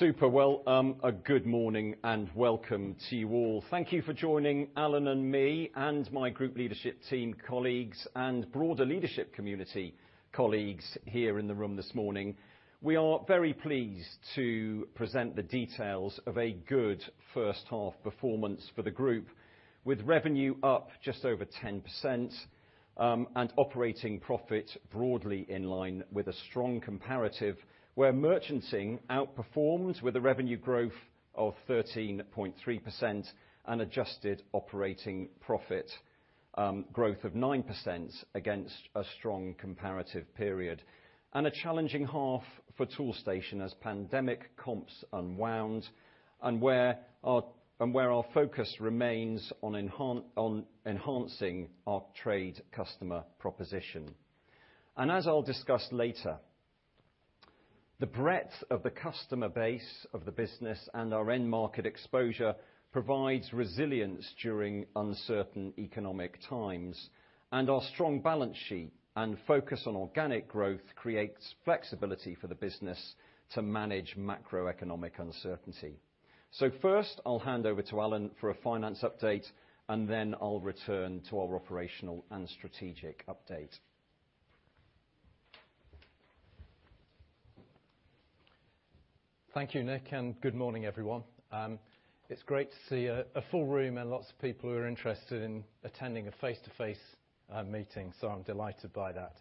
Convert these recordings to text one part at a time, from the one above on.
Super. Well, a good morning and welcome to you all. Thank you for joining Alan and me, and my group leadership team colleagues and broader leadership community colleagues here in the room this morning. We are very pleased to present the details of a good first half performance for the group with revenue up just over 10%, and operating profit broadly in line with a strong comparative, where merchanting outperformed with a revenue growth of 13.3% and adjusted operating profit growth of 9% against a strong comparative period. A challenging half for Toolstation as pandemic comps unwound and where our focus remains on enhancing our trade customer proposition. As I'll discuss later, the breadth of the customer base of the business and our end market exposure provides resilience during uncertain economic times, and our strong balance sheet and focus on organic growth creates flexibility for the business to manage macroeconomic uncertainty. First, I'll hand over to Alan for a finance update, and then I'll return to our operational and strategic update. Thank you, Nick, and good morning, everyone. It's great to see a full room and lots of people who are interested in attending a face-to-face meeting, so I'm delighted by that.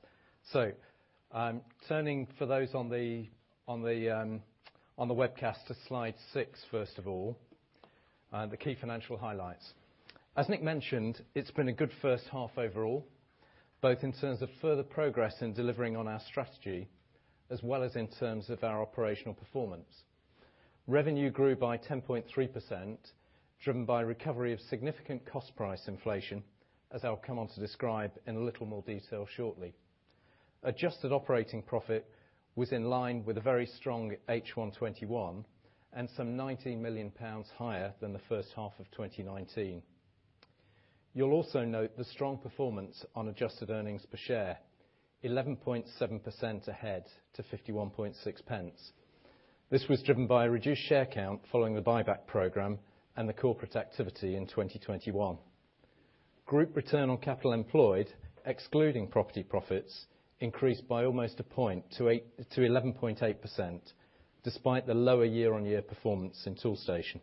Turning for those on the webcast to Slide 6, first of all, the key financial highlights. As Nick mentioned, it's been a good first half overall, both in terms of further progress in delivering on our strategy, as well as in terms of our operational performance. Revenue grew by 10.3%, driven by recovery of significant cost price inflation, as I'll come on to describe in a little more detail shortly. Adjusted operating profit was in line with a very strong H1 2021 and some 90 million pounds higher than the first half of 2019. You'll also note the strong performance on adjusted earnings per share, 11.7% ahead to 51.6 pence. This was driven by a reduced share count following the buyback programme and the corporate activity in 2021. Group return on capital employed, excluding property profits, increased by almost a point from 10.8% to 11.8% despite the lower year-on-year performance in Toolstation.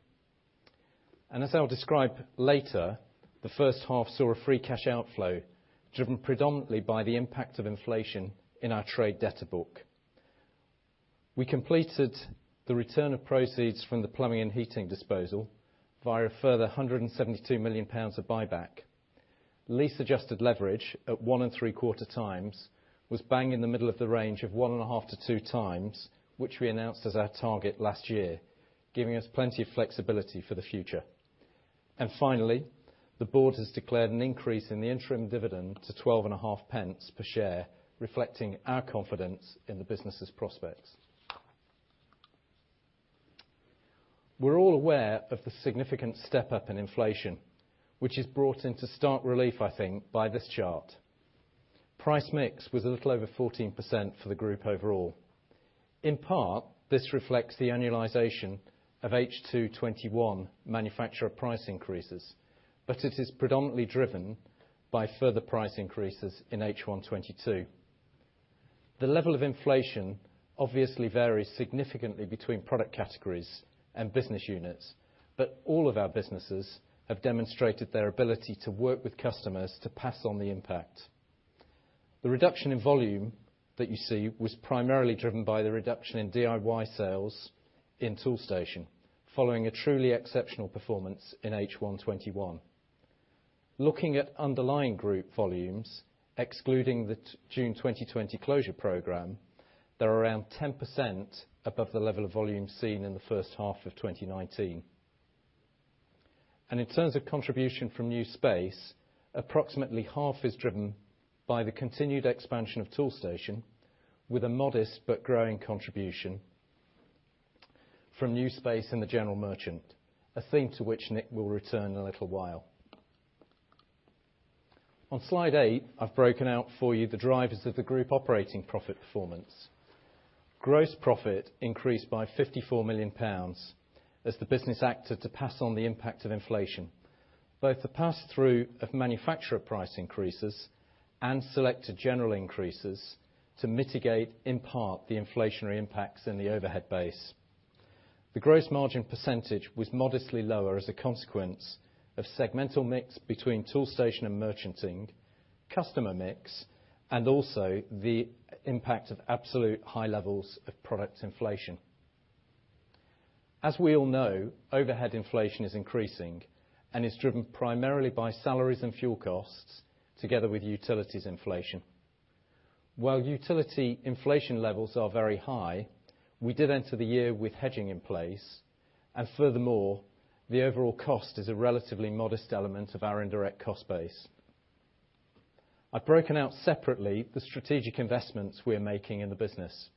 As I'll describe later, the first half saw a free cash outflow driven predominantly by the impact of inflation in our trade debtor book. We completed the return of proceeds from the Plumbing & Heating disposal via a further 172 million pounds of buyback. Lease adjusted leverage at 1.75x was bang in the middle of the range of 1.5x to 2x, which we announced as our target last year, giving us plenty of flexibility for the future. Finally, the board has declared an increase in the interim dividend to 12.5 pence per share, reflecting our confidence in the business's prospects. We're all aware of the significant step up in inflation, which is brought into stark relief, I think, by this chart. Price mix was a little over 14% for the group overall. In part, this reflects the annualization of H2 2021 manufacturer price increases, but it is predominantly driven by further price increases in H1 2022. The level of inflation obviously varies significantly between product categories and business units, but all of our businesses have demonstrated their ability to work with customers to pass on the impact. The reduction in volume that you see was primarily driven by the reduction in DIY sales in Toolstation, following a truly exceptional performance in H1 2021. Looking at underlying group volumes, excluding the June 2020 closure program, they're around 10% above the level of volume seen in the first half of 2019. In terms of contribution from new space, approximately half is driven by the continued expansion of Toolstation with a modest but growing contribution from new space in the general merchant, a theme to which Nick will return in a little while. On Slide 8, I've broken out for you the drivers of the group operating profit performance. Gross profit increased by 54 million pounds as the business acted to pass on the impact of inflation, both the pass through of manufacturer price increases and selected general increases to mitigate in part the inflationary impacts in the overhead base. The gross margin percentage was modestly lower as a consequence of segmental mix between Toolstation and Merchanting, customer mix, and also the impact of absolute high levels of product inflation. As we all know, overhead inflation is increasing and is driven primarily by salaries and fuel costs together with utilities inflation. While utility inflation levels are very high, we did enter the year with hedging in place. Furthermore, the overall cost is a relatively modest element of our indirect cost base. I've broken out separately the strategic investments we're making in the business.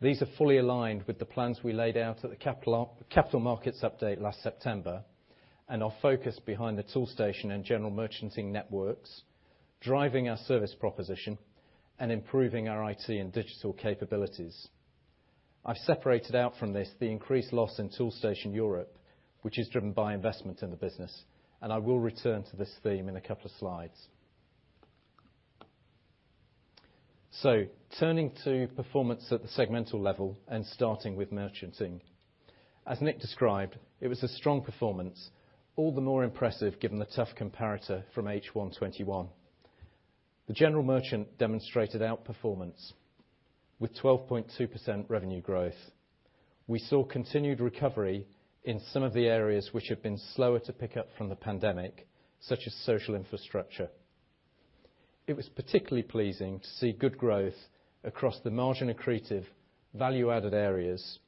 These are fully aligned with the plans we laid out at the capital markets update last September, and are focused behind the Toolstation and General Merchanting networks, driving our service proposition and improving our IT and digital capabilities. I've separated out from this the increased loss in Toolstation Europe, which is driven by investment in the business, and I will return to this theme in a couple of slides. Turning to performance at the segmental level and starting with Merchanting. As Nick described, it was a strong performance, all the more impressive given the tough comparator from H1 2021. The General Merchanting demonstrated outperformance with 12.2% revenue growth. We saw continued recovery in some of the areas which have been slower to pick up from the pandemic, such as social infrastructure. It was particularly pleasing to see good growth across the margin-accretive, value-added areas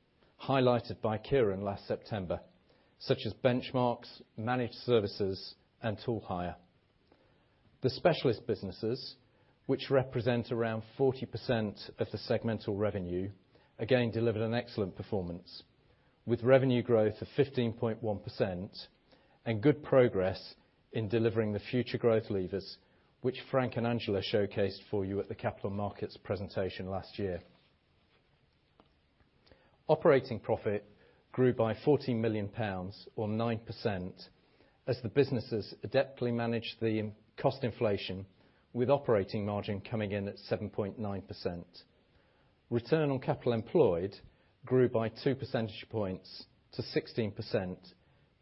highlighted by Ciaran last September, such as Benchmarx, Managed Services, and Tool Hire. The specialist businesses, which represent around 40% of the segmental revenue, again delivered an excellent performance, with revenue growth of 15.1% and good progress in delivering the future growth levers, which Frank and Angela showcased for you at the Capital Markets presentation last year. Operating profit grew by 40 million pounds or 9% as the businesses adeptly managed the cost inflation, with operating margin coming in at 7.9%. Return on capital employed grew by two percentage points to 16%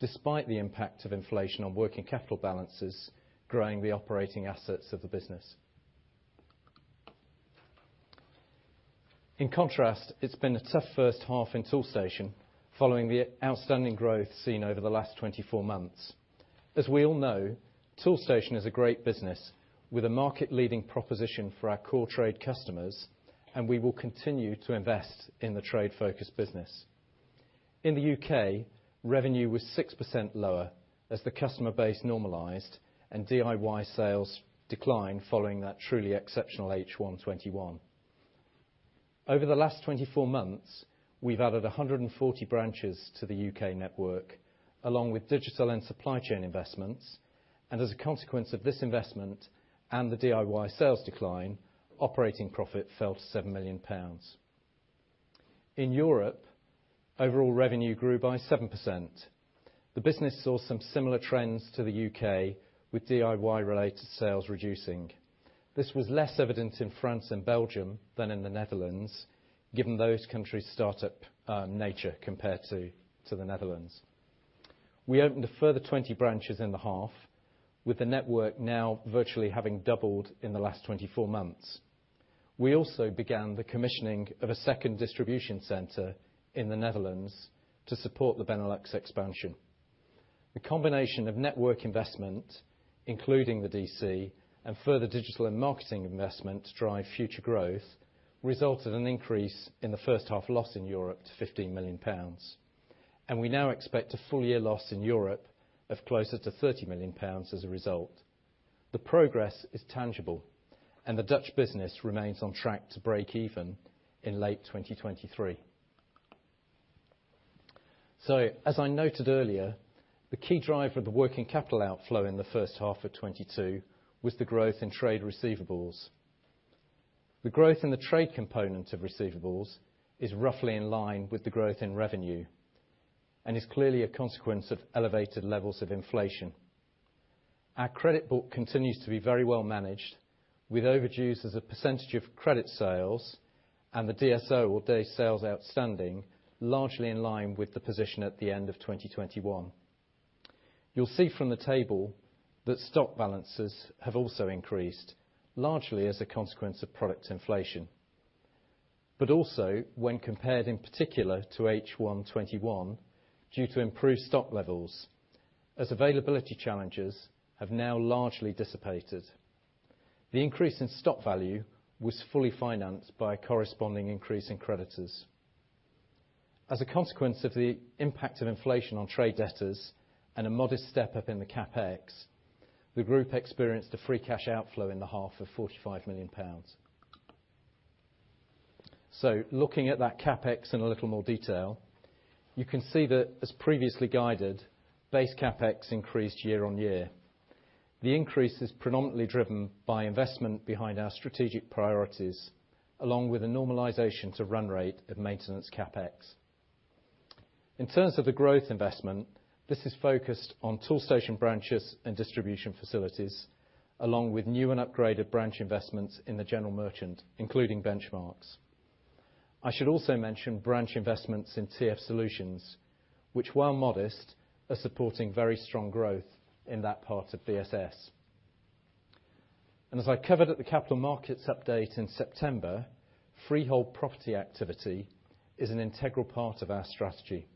despite the impact of inflation on working capital balances growing the operating assets of the business. In contrast, it's been a tough first half in Toolstation following the outstanding growth seen over the last 24 months. As we all know, Toolstation is a great business with a market-leading proposition for our core trade customers, and we will continue to invest in the trade-focused business. In the UK, revenue was 6% lower as the customer base normalized and DIY sales declined following that truly exceptional H1 2021. Over the last 24 months, we've added 140 branches to the U.K. network, along with digital and supply chain investments. As a consequence of this investment and the DIY sales decline, operating profit fell to 7 million pounds. In Europe, overall revenue grew by 7%. The business saw some similar trends to the U.K., with DIY-related sales reducing. This was less evident in France and Belgium than in the Netherlands, given those countries' startup nature compared to the Netherlands. We opened a further 20 branches in the half, with the network now virtually having doubled in the last 24 months. We also began the commissioning of a second distribution center in the Netherlands to support the Benelux expansion. The combination of network investment, including the DC, and further digital and marketing investment to drive future growth resulted in an increase in the first half loss in Europe to 15 million pounds. We now expect a full year loss in Europe of closer to 30 million pounds as a result. The progress is tangible and the Dutch business remains on track to break even in late 2023. As I noted earlier, the key driver of the working capital outflow in the first half of 2022 was the growth in trade receivables. The growth in the trade component of receivables is roughly in line with the growth in revenue and is clearly a consequence of elevated levels of inflation. Our credit book continues to be very well managed, with overdues as a percentage of credit sales and the DSO, or day sales outstanding, largely in line with the position at the end of 2021. You'll see from the table that stock balances have also increased, largely as a consequence of product inflation, but also when compared in particular to H1 2021 due to improved stock levels as availability challenges have now largely dissipated. The increase in stock value was fully financed by a corresponding increase in creditors. As a consequence of the impact of inflation on trade debtors and a modest step-up in the CapEx, the group experienced a free cash outflow in the half of 45 million pounds. Looking at that CapEx in a little more detail, you can see that, as previously guided, base CapEx increased year-on-year. The increase is predominantly driven by investment behind our strategic priorities, along with a normalization to run rate of maintenance CapEx. In terms of the growth investment, this is focused on Toolstation branches and distribution facilities, along with new and upgraded branch investments in the general merchant, including Benchmarx. I should also mention branch investments in TF Solutions, which, while modest, are supporting very strong growth in that part of BSS. As I covered at the capital markets update in September, freehold property activity is an integral part of our strategy,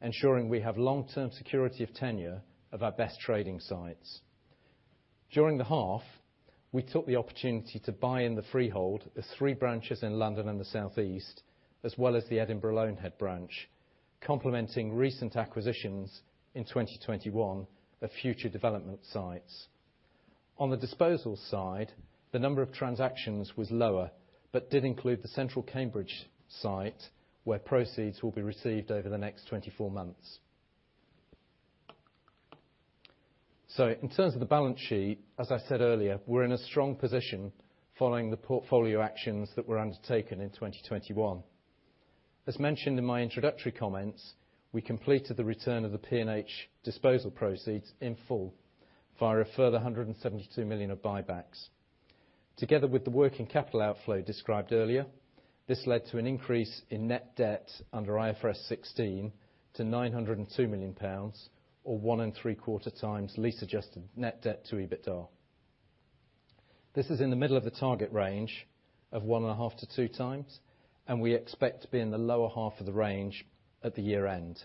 ensuring we have long-term security of tenure of our best trading sites. During the half, we took the opportunity to buy in the freehold the three branches in London and the Southeast, as well as the Edinburgh Loanhead branch, complementing recent acquisitions in 2021 of future development sites. On the disposal side, the number of transactions was lower, but did include the central Cambridge site, where proceeds will be received over the next 24 months. In terms of the balance sheet, as I said earlier, we're in a strong position following the portfolio actions that were undertaken in 2021. As mentioned in my introductory comments, we completed the return of the P&H disposal proceeds in full via a further 172 million of buybacks. Together with the working capital outflow described earlier, this led to an increase in net debt under IFRS 16 to GBP 902 million, or 1.75x lease-adjusted net debt-to-EBITDA. This is in the middle of the target range of 1.5x to 2x, and we expect to be in the lower half of the range at the year-end.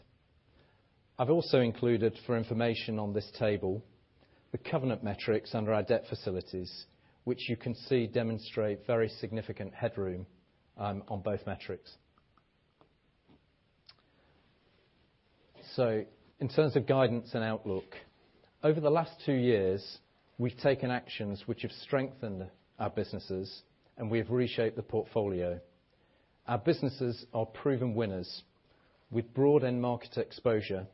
I've also included, for information on this table, the covenant metrics under our debt facilities, which you can see demonstrate very significant headroom on both metrics. In terms of guidance and outlook, over the last two years, we've taken actions which have strengthened our businesses and we've reshaped the portfolio. Our businesses are proven winners with broad end market exposure,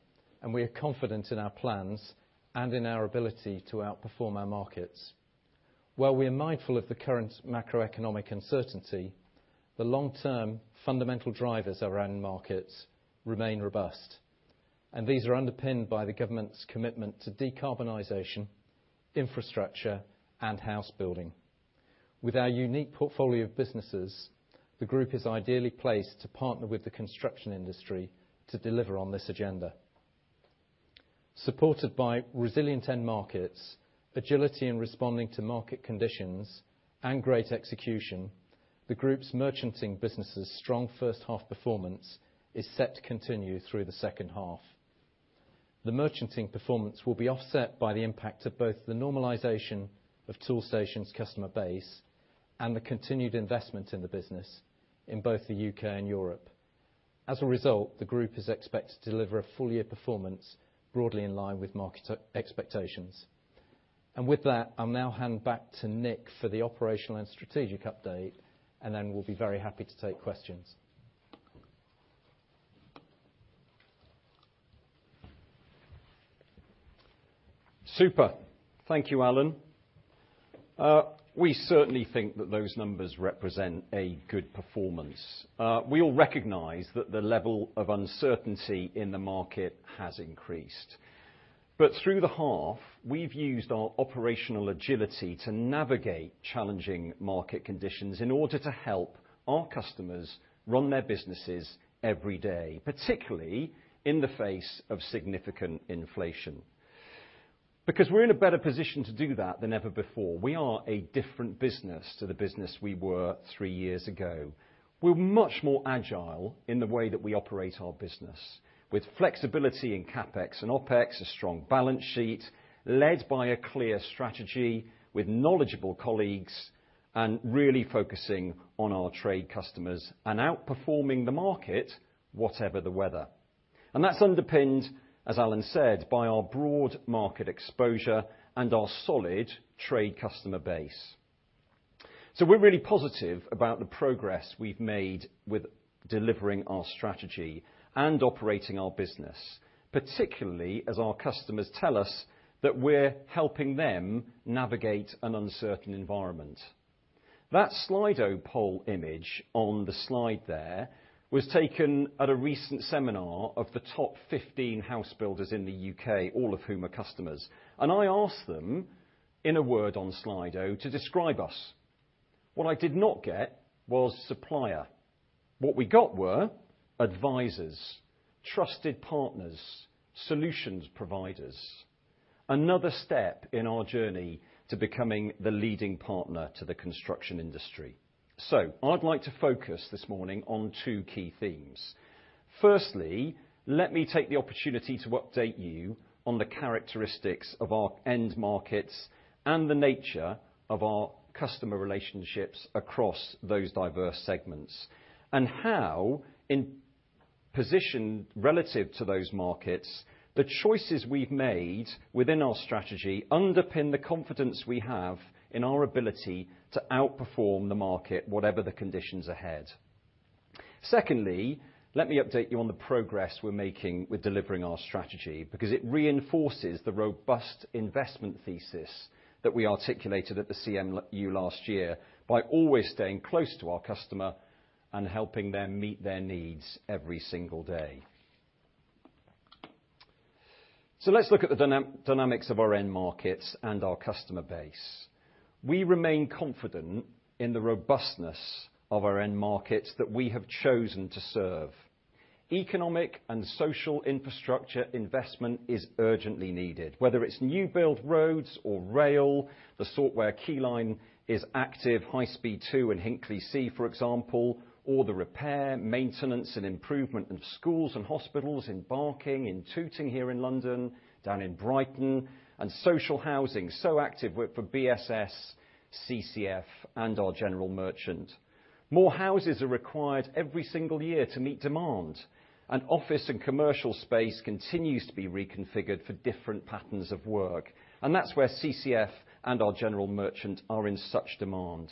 and we are confident in our plans and in our ability to outperform our markets. While we are mindful of the current macroeconomic uncertainty, the long-term fundamental drivers around markets remain robust, and these are underpinned by the government's commitment to decarbonization, infrastructure, and house building. With our unique portfolio of businesses, the group is ideally placed to partner with the construction industry to deliver on this agenda. Supported by resilient end markets, agility in responding to market conditions, and great execution, the group's Merchanting businesses' strong first half performance is set to continue through the second half. The Merchanting performance will be offset by the impact of both the normalization of Toolstation's customer base and the continued investment in the business in both the U.K. and Europe. As a result, the group is expected to deliver a full-year performance broadly in line with market expectations. With that, I'll now hand back to Nick for the operational and strategic update, and then we'll be very happy to take questions. Super. Thank you, Alan. We certainly think that those numbers represent a good performance. We all recognize that the level of uncertainty in the market has increased. Through the half, we've used our operational agility to navigate challenging market conditions in order to help our customers run their businesses every day, particularly in the face of significant inflation. Because we're in a better position to do that than ever before. We are a different business to the business we were three years ago. We're much more agile in the way that we operate our business, with flexibility in CapEx and OpEx, a strong balance sheet, led by a clear strategy with knowledgeable colleagues and really focusing on our trade customers and outperforming the market, whatever the weather. That's underpinned, as Alan said, by our broad market exposure and our solid trade customer base. We're really positive about the progress we've made with delivering our strategy and operating our business, particularly as our customers tell us that we're helping them navigate an uncertain environment. That Slido poll image on the slide there was taken at a recent seminar of the top 15 house builders in the U.K., all of whom are customers. I asked them in a word on Slido to describe us. What I did not get was supplier. What we got were advisors, trusted partners, solutions providers, another step in our journey to becoming the leading partner to the construction industry. I'd like to focus this morning on two key themes. Firstly, let me take the opportunity to update you on the characteristics of our end markets and the nature of our customer relationships across those diverse segments, and how we're positioned relative to those markets, the choices we've made within our strategy underpin the confidence we have in our ability to outperform the market, whatever the conditions ahead. Secondly, let me update you on the progress we're making with delivering our strategy because it reinforces the robust investment thesis that we articulated at the CMU last year by always staying close to our customer and helping them meet their needs every single day. Let's look at the dynamics of our end markets and our customer base. We remain confident in the robustness of our end markets that we have chosen to serve. Economic and social infrastructure investment is urgently needed, whether it's new build roads or rail, the sort where Keyline is active, High Speed Two and Hinkley C, for example, or the repair, maintenance, and improvement of schools and hospitals in Barking and Tooting here in London, down in Brighton, and social housing so active with BSS, CCF, and our general merchant. More houses are required every single year to meet demand. An office and commercial space continues to be reconfigured for different patterns of work, and that's where CCF and our general merchant are in such demand.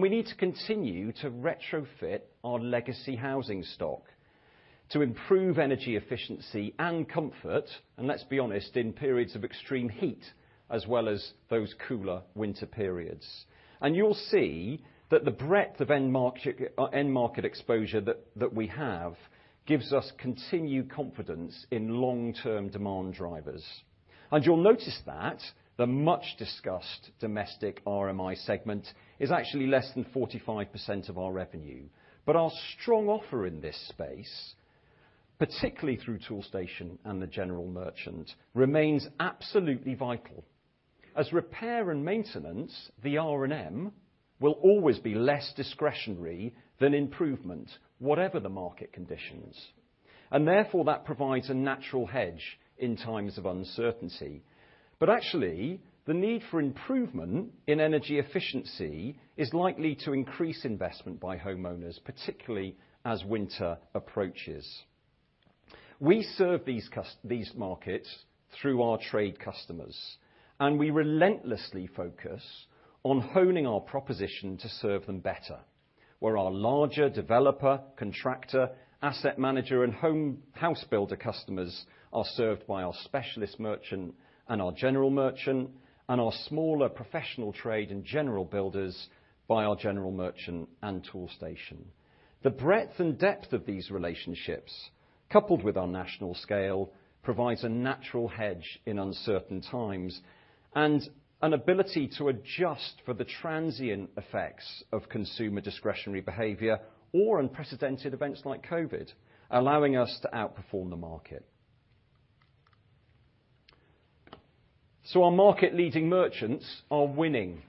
We need to continue to retrofit our legacy housing stock to improve energy efficiency and comfort, and let's be honest, in periods of extreme heat, as well as those cooler winter periods. You'll see that the breadth of end market exposure that we have gives us continued confidence in long-term demand drivers. You'll notice that the much-discussed domestic RMI segment is actually less than 45% of our revenue. Our strong offer in this space, particularly through Toolstation and the general merchant, remains absolutely vital, as repair and maintenance, the R&M, will always be less discretionary than improvement, whatever the market conditions. Therefore, that provides a natural hedge in times of uncertainty. Actually, the need for improvement in energy efficiency is likely to increase investment by homeowners, particularly as winter approaches. We serve these markets through our trade customers, and we relentlessly focus on honing our proposition to serve them better. Where our larger developer, contractor, asset manager, and home house builder customers are served by our specialist merchant and our general merchant, and our smaller professional trade and general builders by our general merchant and Toolstation. The breadth and depth of these relationships, coupled with our national scale, provides a natural hedge in uncertain times and an ability to adjust for the transient effects of consumer discretionary behavior or unprecedented events like COVID, allowing us to outperform the market. So our market-leading merchants are winning.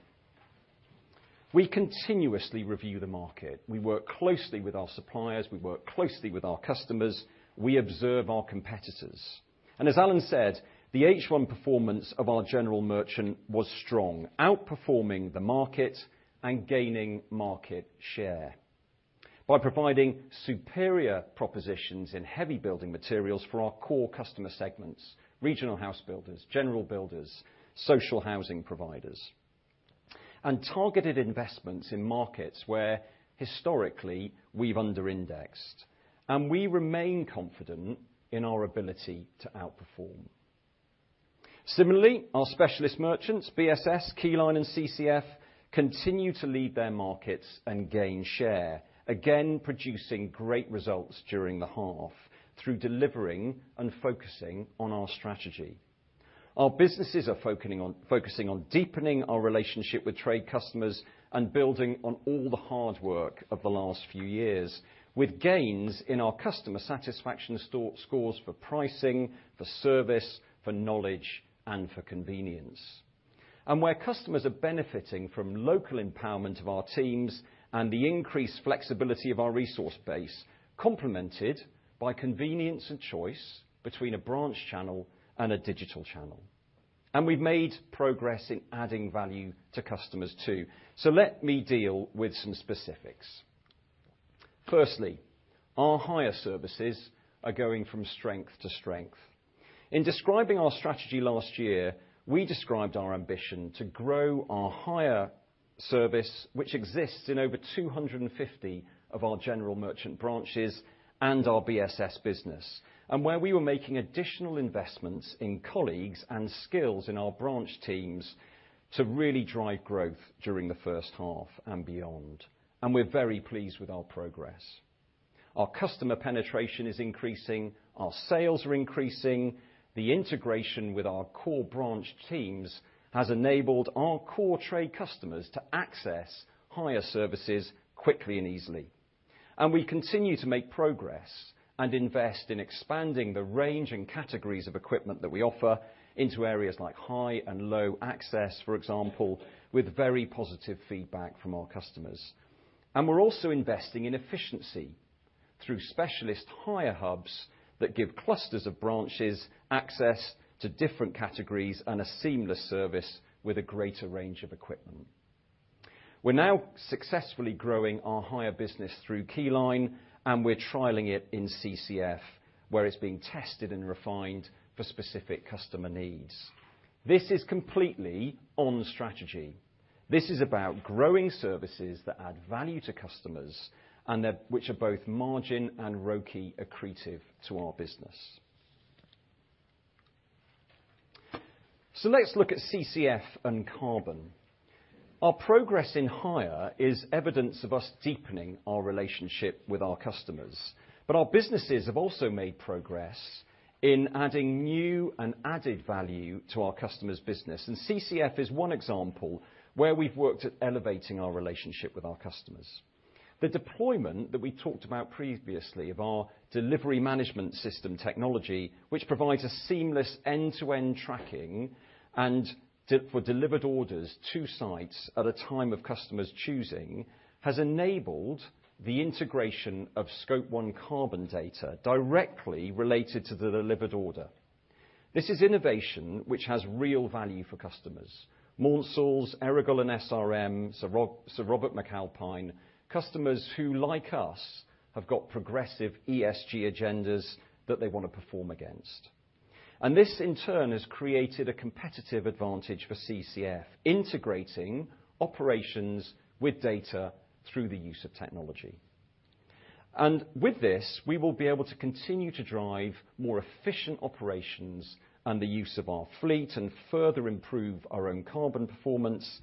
We continuously review the market. We work closely with our suppliers. We work closely with our customers. We observe our competitors. As Alan said, the H1 performance of our general merchant was strong, outperforming the market and gaining market share. By providing superior propositions in heavy building materials for our core customer segments, regional house builders, general builders, social housing providers, and targeted investments in markets where historically we've under-indexed, and we remain confident in our ability to outperform. Similarly, our specialist merchants, BSS, Keyline, and CCF, continue to lead their markets and gain share, again, producing great results during the half through delivering and focusing on our strategy. Our businesses are focusing on deepening our relationship with trade customers and building on all the hard work of the last few years, with gains in our customer satisfaction scores for pricing, for service, for knowledge, and for convenience. Where customers are benefiting from local empowerment of our teams and the increased flexibility of our resource base, complemented by convenience and choice between a branch channel and a digital channel. We've made progress in adding value to customers, too. Let me deal with some specifics. Firstly, our hire services are going from strength to strength. In describing our strategy last year, we described our ambition to grow our hire service, which exists in over 250 of our general merchant branches and our BSS business, and where we were making additional investments in colleagues and skills in our branch teams to really drive growth during the first half and beyond. We're very pleased with our progress. Our customer penetration is increasing, our sales are increasing. The integration with our core branch teams has enabled our core trade customers to access hire services quickly and easily. We continue to make progress and invest in expanding the range and categories of equipment that we offer into areas like high and low access, for example, with very positive feedback from our customers. We're also investing in efficiency through specialist hire hubs that give clusters of branches access to different categories and a seamless service with a greater range of equipment. We're now successfully growing our hire business through Keyline, and we're trialing it in CCF, where it's being tested and refined for specific customer needs. This is completely on strategy. This is about growing services that add value to customers and that which are both margin and ROCE accretive to our business. Let's look at CCF and carbon. Our progress in hire is evidence of us deepening our relationship with our customers, but our businesses have also made progress in adding new and added value to our customers' business. CCF is one example where we've worked at elevating our relationship with our customers. The deployment that we talked about previously of our delivery management system technology, which provides a seamless end-to-end tracking and delivery for delivered orders to sites at a time of customers choosing, has enabled the integration of Scope 1 carbon data directly related to the delivered order. This is innovation which has real value for customers. Morgan Sindall, Errigal, and Sir Robert McAlpine, customers who, like us, have got progressive ESG agendas that they want to perform against. This, in turn, has created a competitive advantage for CCF, integrating operations with data through the use of technology. With this, we will be able to continue to drive more efficient operations and the use of our fleet and further improve our own carbon performance,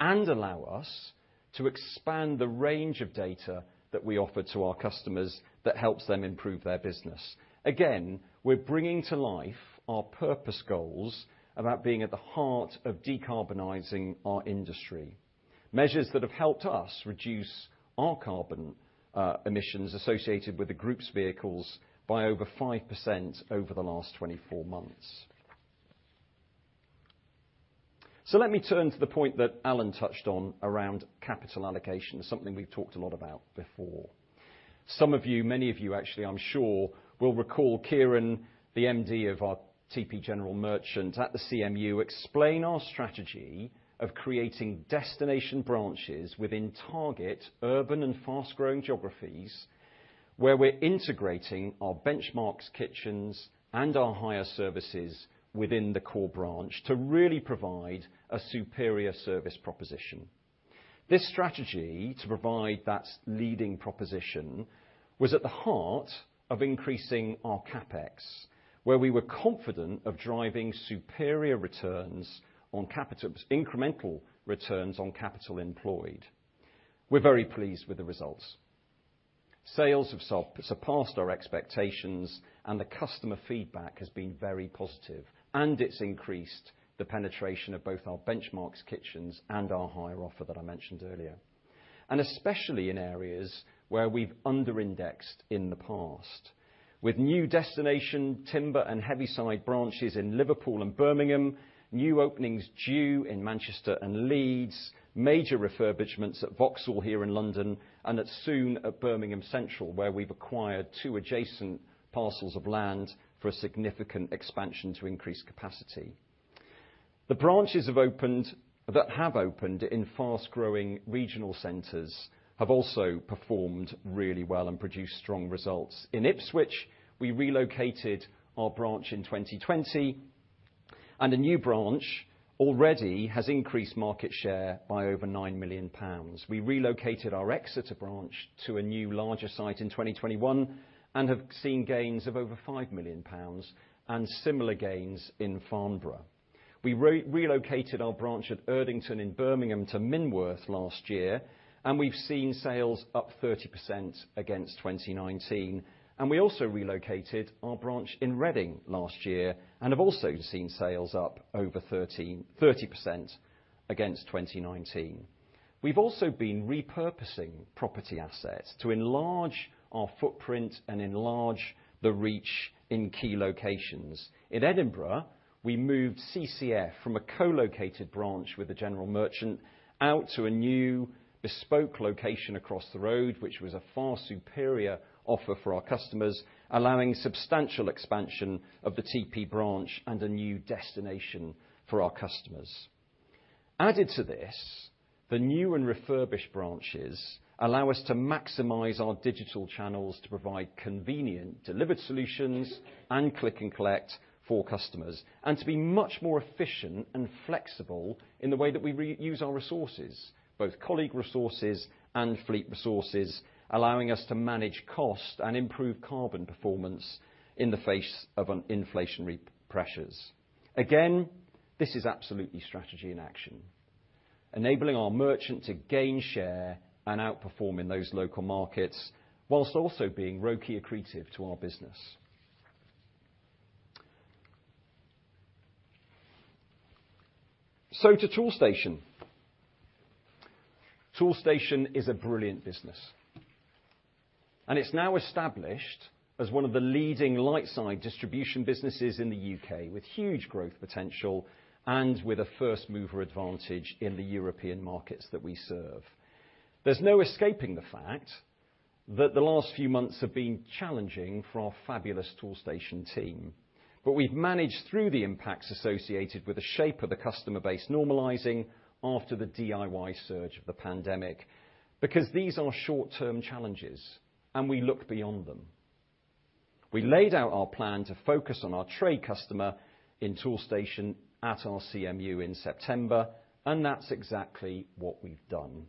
and allow us to expand the range of data that we offer to our customers that helps them improve their business. Again, we're bringing to life our purpose goals about being at the heart of decarbonizing our industry, measures that have helped us reduce our carbon emissions associated with the group's vehicles by over 5% over the last 24 months. Let me turn to the point that Alan touched on around capital allocation, something we've talked a lot about before. Some of you, many of you actually I'm sure, will recall Kieran, the MD of our TP General Merchant at the CMU, explain our strategy of creating destination branches within target urban and fast-growing geographies, where we're integrating our Benchmarx kitchens and our hire services within the core branch to really provide a superior service proposition. This strategy to provide that leading proposition was at the heart of increasing our CapEx, where we were confident of driving superior returns on capital, incremental returns on capital employed. We're very pleased with the results. Sales have surpassed our expectations and the customer feedback has been very positive, and it's increased the penetration of both our Benchmarx kitchens and our hire offer that I mentioned earlier, and especially in areas where we've under indexed in the past. With new destination timber and Heavyside branches in Liverpool and Birmingham, new openings due in Manchester and Leeds, major refurbishments at Vauxhall here in London, and soon at Birmingham Central, where we've acquired two adjacent parcels of land for a significant expansion to increase capacity. The branches that have opened in fast-growing regional centers have also performed really well and produced strong results. In Ipswich, we relocated our branch in 2020, and a new branch already has increased market share by over 9 million pounds. We relocated our Exeter branch to a new larger site in 2021 and have seen gains of over 5 million pounds and similar gains in Farnborough. We relocated our branch at Erdington in Birmingham to Minworth last year, and we've seen sales up 30% against 2019. We also relocated our branch in Reading last year and have also seen sales up over 13.3% against 2019. We've also been repurposing property assets to enlarge our footprint and enlarge the reach in key locations. In Edinburgh, we moved CCF from a co-located branch with a general merchant out to a new bespoke location across the road, which was a far superior offer for our customers, allowing substantial expansion of the TP branch and a new destination for our customers. Added to this, the new and refurbished branches allow us to maximize our digital channels to provide convenient delivered solutions and click and collect for customers, and to be much more efficient and flexible in the way that we re-use our resources, both colleague resources and fleet resources, allowing us to manage cost and improve carbon performance in the face of inflationary pressures. This is absolutely strategy in action, enabling our merchant to gain share and outperform in those local markets while also being ROIC accretive to our business. To Toolstation. Toolstation is a brilliant business, and it's now established as one of the leading Lightside distribution businesses in the U.K. with huge growth potential and with a first-mover advantage in the European markets that we serve. There's no escaping the fact that the last few months have been challenging for our fabulous Toolstation team. We've managed through the impacts associated with the shape of the customer base normalizing after the DIY surge of the pandemic because these are short-term challenges, and we look beyond them. We laid out our plan to focus on our trade customer in Toolstation at our CMU in September, and that's exactly what we've done.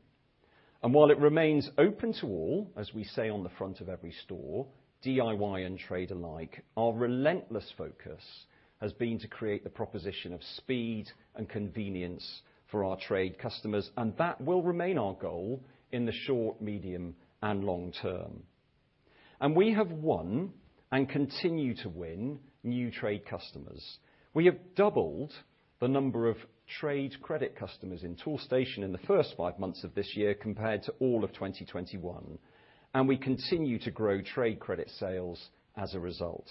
While it remains open to all, as we say on the front of every store, DIY and trade alike, our relentless focus has been to create the proposition of speed and convenience for our trade customers, and that will remain our goal in the short, medium, and long term. We have won and continue to win new trade customers. We have doubled the number of trade credit customers in Toolstation in the first five months of this year compared to all of 2021, and we continue to grow trade credit sales as a result.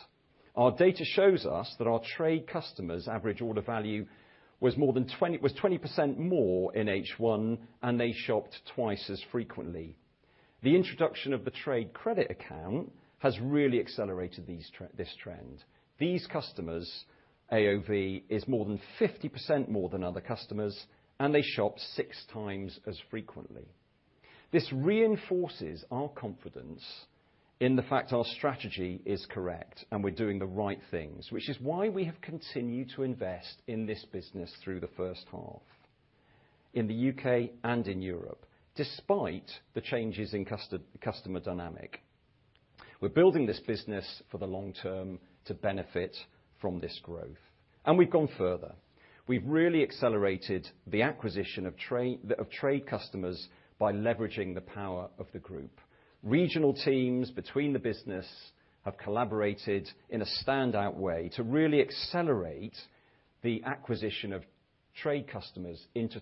Our data shows us that our trade customers' average order value was 20% more in H1, and they shopped twice as frequently. The introduction of the trade credit account has really accelerated this trend. These customers' AOV is more than 50% more than other customers, and they shop 6x as frequently. This reinforces our confidence in the fact our strategy is correct, and we're doing the right things, which is why we have continued to invest in this business through the first half, in the U.K. and in Europe, despite the changes in customer dynamic. We're building this business for the long term to benefit from this growth. We've gone further. We've really accelerated the acquisition of trade customers by leveraging the power of the group. Regional teams between the business have collaborated in a standout way to really accelerate the acquisition of trade customers into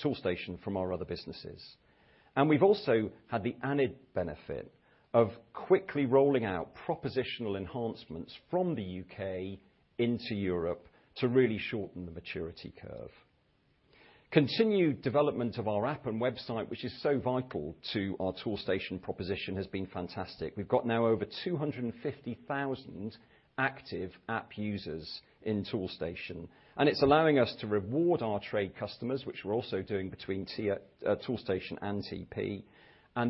Toolstation from our other businesses. We've also had the added benefit of quickly rolling out proposition enhancements from the U.K. into Europe to really shorten the maturity curve. Continued development of our app and website, which is so vital to our Toolstation proposition, has been fantastic. We've got now over 250,000 active app users in Toolstation, and it's allowing us to reward our trade customers, which we're also doing between Toolstation and TP.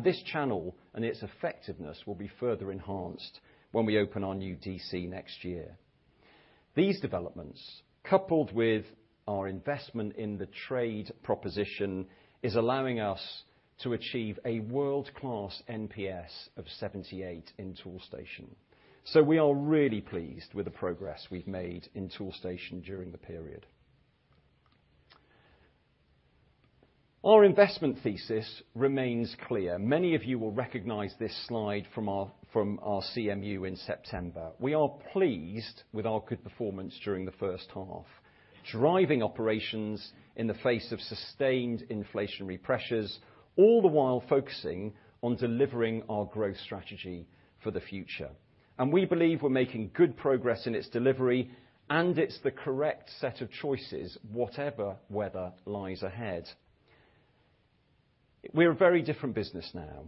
This channel and its effectiveness will be further enhanced when we open our new DC next year. These developments, coupled with our investment in the trade proposition, is allowing us to achieve a world-class NPS of 78 in Toolstation. We are really pleased with the progress we've made in Toolstation during the period. Our investment thesis remains clear. Many of you will recognize this slide from our CMU in September. We are pleased with our good performance during the first half. Driving operations in the face of sustained inflationary pressures, all the while focusing on delivering our growth strategy for the future. We believe we're making good progress in its delivery, and it's the correct set of choices, whatever weather lies ahead. We're a very different business now,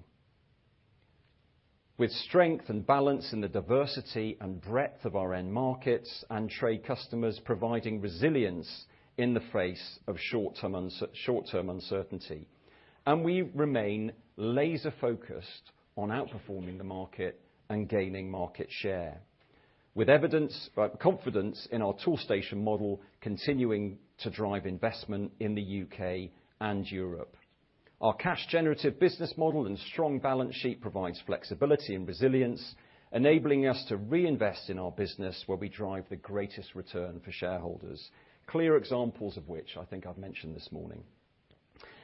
with strength and balance in the diversity and breadth of our end markets and trade customers providing resilience in the face of short-term uncertainty. We remain laser focused on outperforming the market and gaining market share, with evidence, confidence in our Toolstation model continuing to drive investment in the U.K. and Europe. Our cash generative business model and strong balance sheet provides flexibility and resilience, enabling us to reinvest in our business where we drive the greatest return for shareholders. Clear examples of which I think I've mentioned this morning.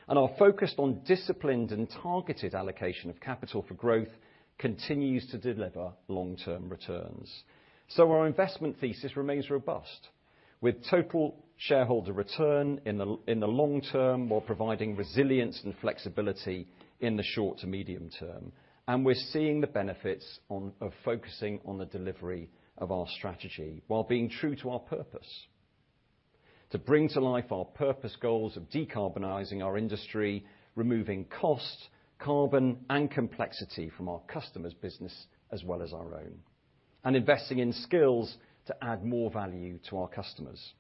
Our focus on disciplined and targeted allocation of capital for growth continues to deliver long-term returns. Our investment thesis remains robust, with total shareholder return in the long term, while providing resilience and flexibility in the short to medium term. We're seeing the benefits of focusing on the delivery of our strategy while being true to our purpose. To bring to life our purpose goals of decarbonizing our industry, removing cost, carbon, and complexity from our customers' business as well as our own, and investing in skills to add more value to our customers.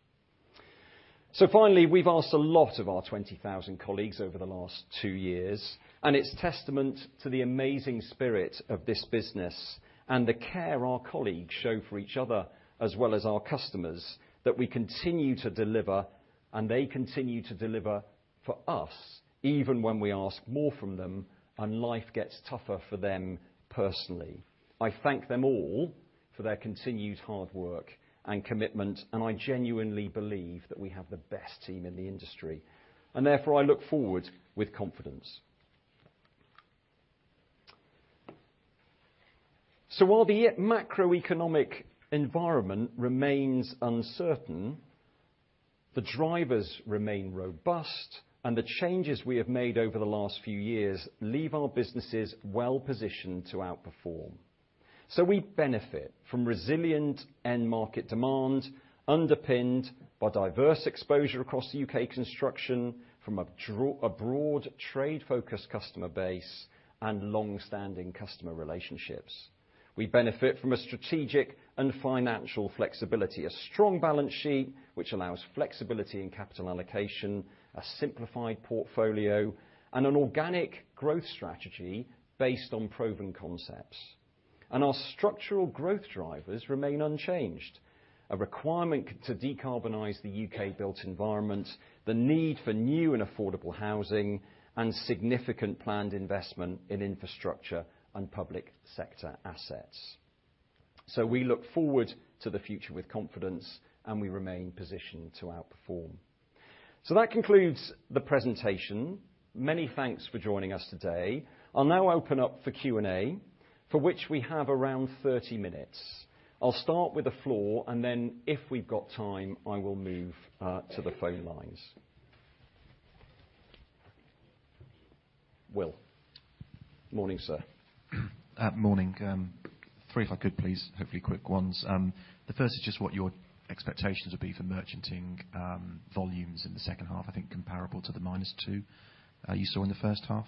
Finally, we've asked a lot of our 20,000 colleagues over the last two years, and it's testament to the amazing spirit of this business and the care our colleagues show for each other as well as our customers that we continue to deliver, and they continue to deliver for us even when we ask more from them and life gets tougher for them personally. I thank them all for their continued hard work and commitment, and I genuinely believe that we have the best team in the industry, and therefore I look forward with confidence. While the macroeconomic environment remains uncertain, the drivers remain robust, and the changes we have made over the last few years leave our businesses well-positioned to outperform. We benefit from resilient end market demand, underpinned by diverse exposure across the U.K. construction from a broad trade-focused customer base and long-standing customer relationships. We benefit from a strategic and financial flexibility, a strong balance sheet, which allows flexibility in capital allocation, a simplified portfolio, and an organic growth strategy based on proven concepts. Our structural growth drivers remain unchanged, a requirement to decarbonize the U.K. built environment, the need for new and affordable housing, and significant planned investment in infrastructure and public sector assets. We look forward to the future with confidence, and we remain positioned to outperform. That concludes the presentation. Many thanks for joining us today. I'll now open up for Q&A, for which we have around 30 minutes. I'll start with the floor and then if we've got time, I will move to the phone lines. Will. Morning, sir. Morning. Three, if I could please, hopefully quick ones. The first is just what your expectations would be for merchanting volumes in the second half, I think comparable to the -2% you saw in the first half.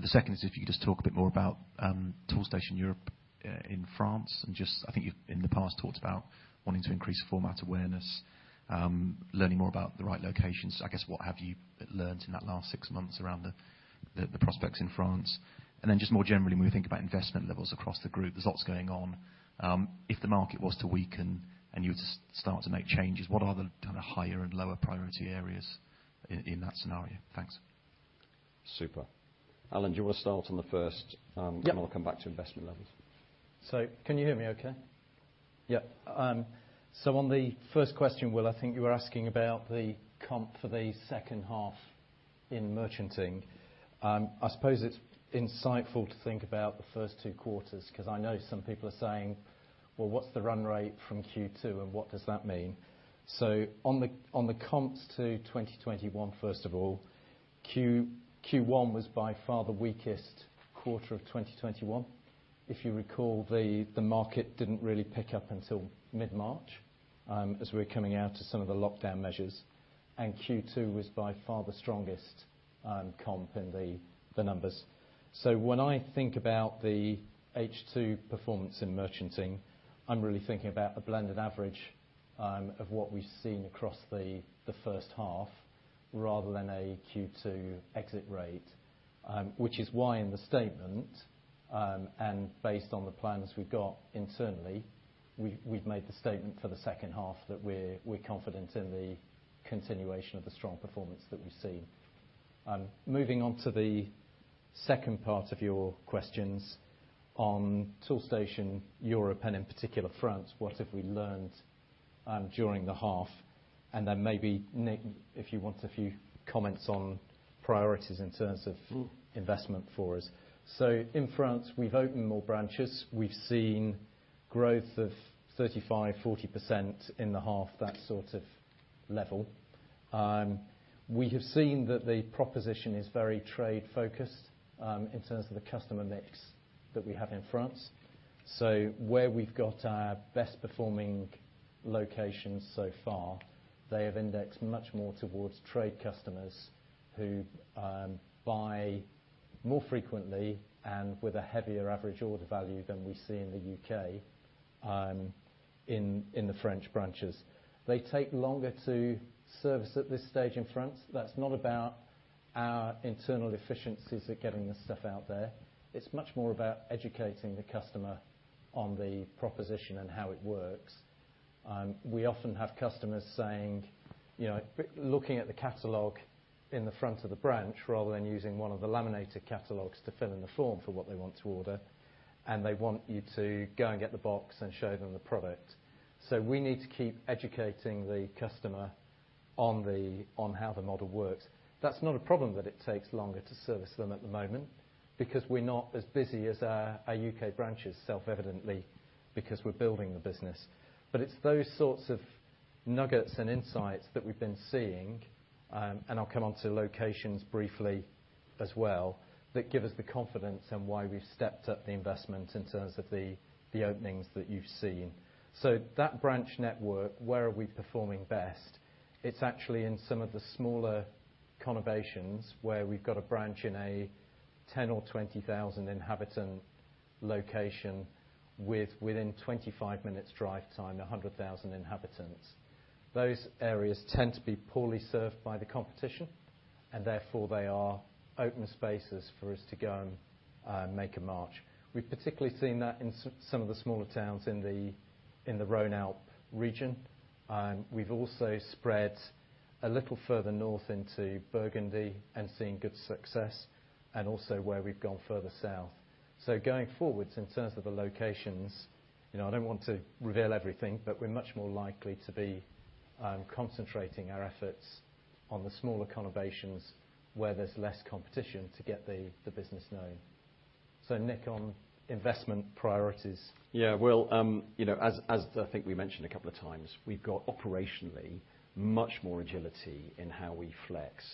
The second is if you could just talk a bit more about Toolstation Europe in France, and just I think you've, in the past, talked about wanting to increase format awareness, learning more about the right locations. I guess what have you learned in that last six months around the prospects in France? Then just more generally, when we think about investment levels across the group, there's lots going on. If the market was to weaken and you had to start to make changes, what are the kinda higher and lower priority areas in that scenario? Thanks. Super. Alan, do you wanna start on the first? Yep. We'll come back to investment levels. Can you hear me okay? Yeah. On the first question, Will, I think you were asking about the comp for the second half in Merchanting. I suppose it's insightful to think about the first two quarters, 'cause I know some people are saying, "Well, what's the run rate from Q2, and what does that mean?" On the comps to 2021, first of all, Q1 was by far the weakest quarter of 2021. If you recall, the market didn't really pick up until mid-March, as we were coming out of some of the lockdown measures, and Q2 was by far the strongest comp in the numbers. When I think about the H2 performance in Merchanting, I'm really thinking about a blended average of what we've seen across the first half, rather than a Q2 exit-rate. Which is why in the statement, and based on the plans we've got internally, we've made the statement for the second half that we're confident in the continuation of the strong performance that we've seen. Moving on to the second part of your questions on Toolstation Europe, and in particular France, what have we learned during the half? And then maybe Nick, if you want, a few comments on priorities in terms of investment for us. In France, we've opened more branches. We've seen growth of 35% to 40% in the half, that sort of level. We have seen that the proposition is very trade-focused, in terms of the customer mix that we have in France. Where we've got our best performing locations so far, they have indexed much more towards trade customers who buy more frequently and with a heavier average order value than we see in the U.K. in the French branches. They take longer to service at this stage in France. That's not about our internal efficiencies at getting the stuff out there. It's much more about educating the customer on the proposition and how it works. We often have customers saying, you know, looking at the catalog in the front of the branch rather than using one of the laminated catalogs to fill in the form for what they want to order, and they want you to go and get the box and show them the product. We need to keep educating the customer on how the model works. That's not a problem that it takes longer to service them at the moment, because we're not as busy as our U.K. branches, self-evidently, because we're building the business. It's those sorts of nuggets and insights that we've been seeing, and I'll come on to locations briefly as well, that give us the confidence and why we've stepped up the investment in terms of the openings that you've seen. That branch network, where are we performing best? It's actually in some of the smaller conurbations where we've got a branch in a 10 or 20,000 inhabitant location with 25 minutes drive time 100,000 inhabitants. Those areas tend to be poorly served by the competition and therefore they are open spaces for us to go and make a mark. We've particularly seen that in some of the smaller towns in the Rhône-Alpes region. We've also spread a little further north into Burgundy and seen good success, and also where we've gone further south. Going forwards, in terms of the locations, you know, I don't want to reveal everything, but we're much more likely to be concentrating our efforts on the smaller conurbations where there's less competition to get the business known. Nick, on investment priorities. Yeah. Well, you know, as I think we mentioned a couple of times, we've got operationally much more agility in how we flex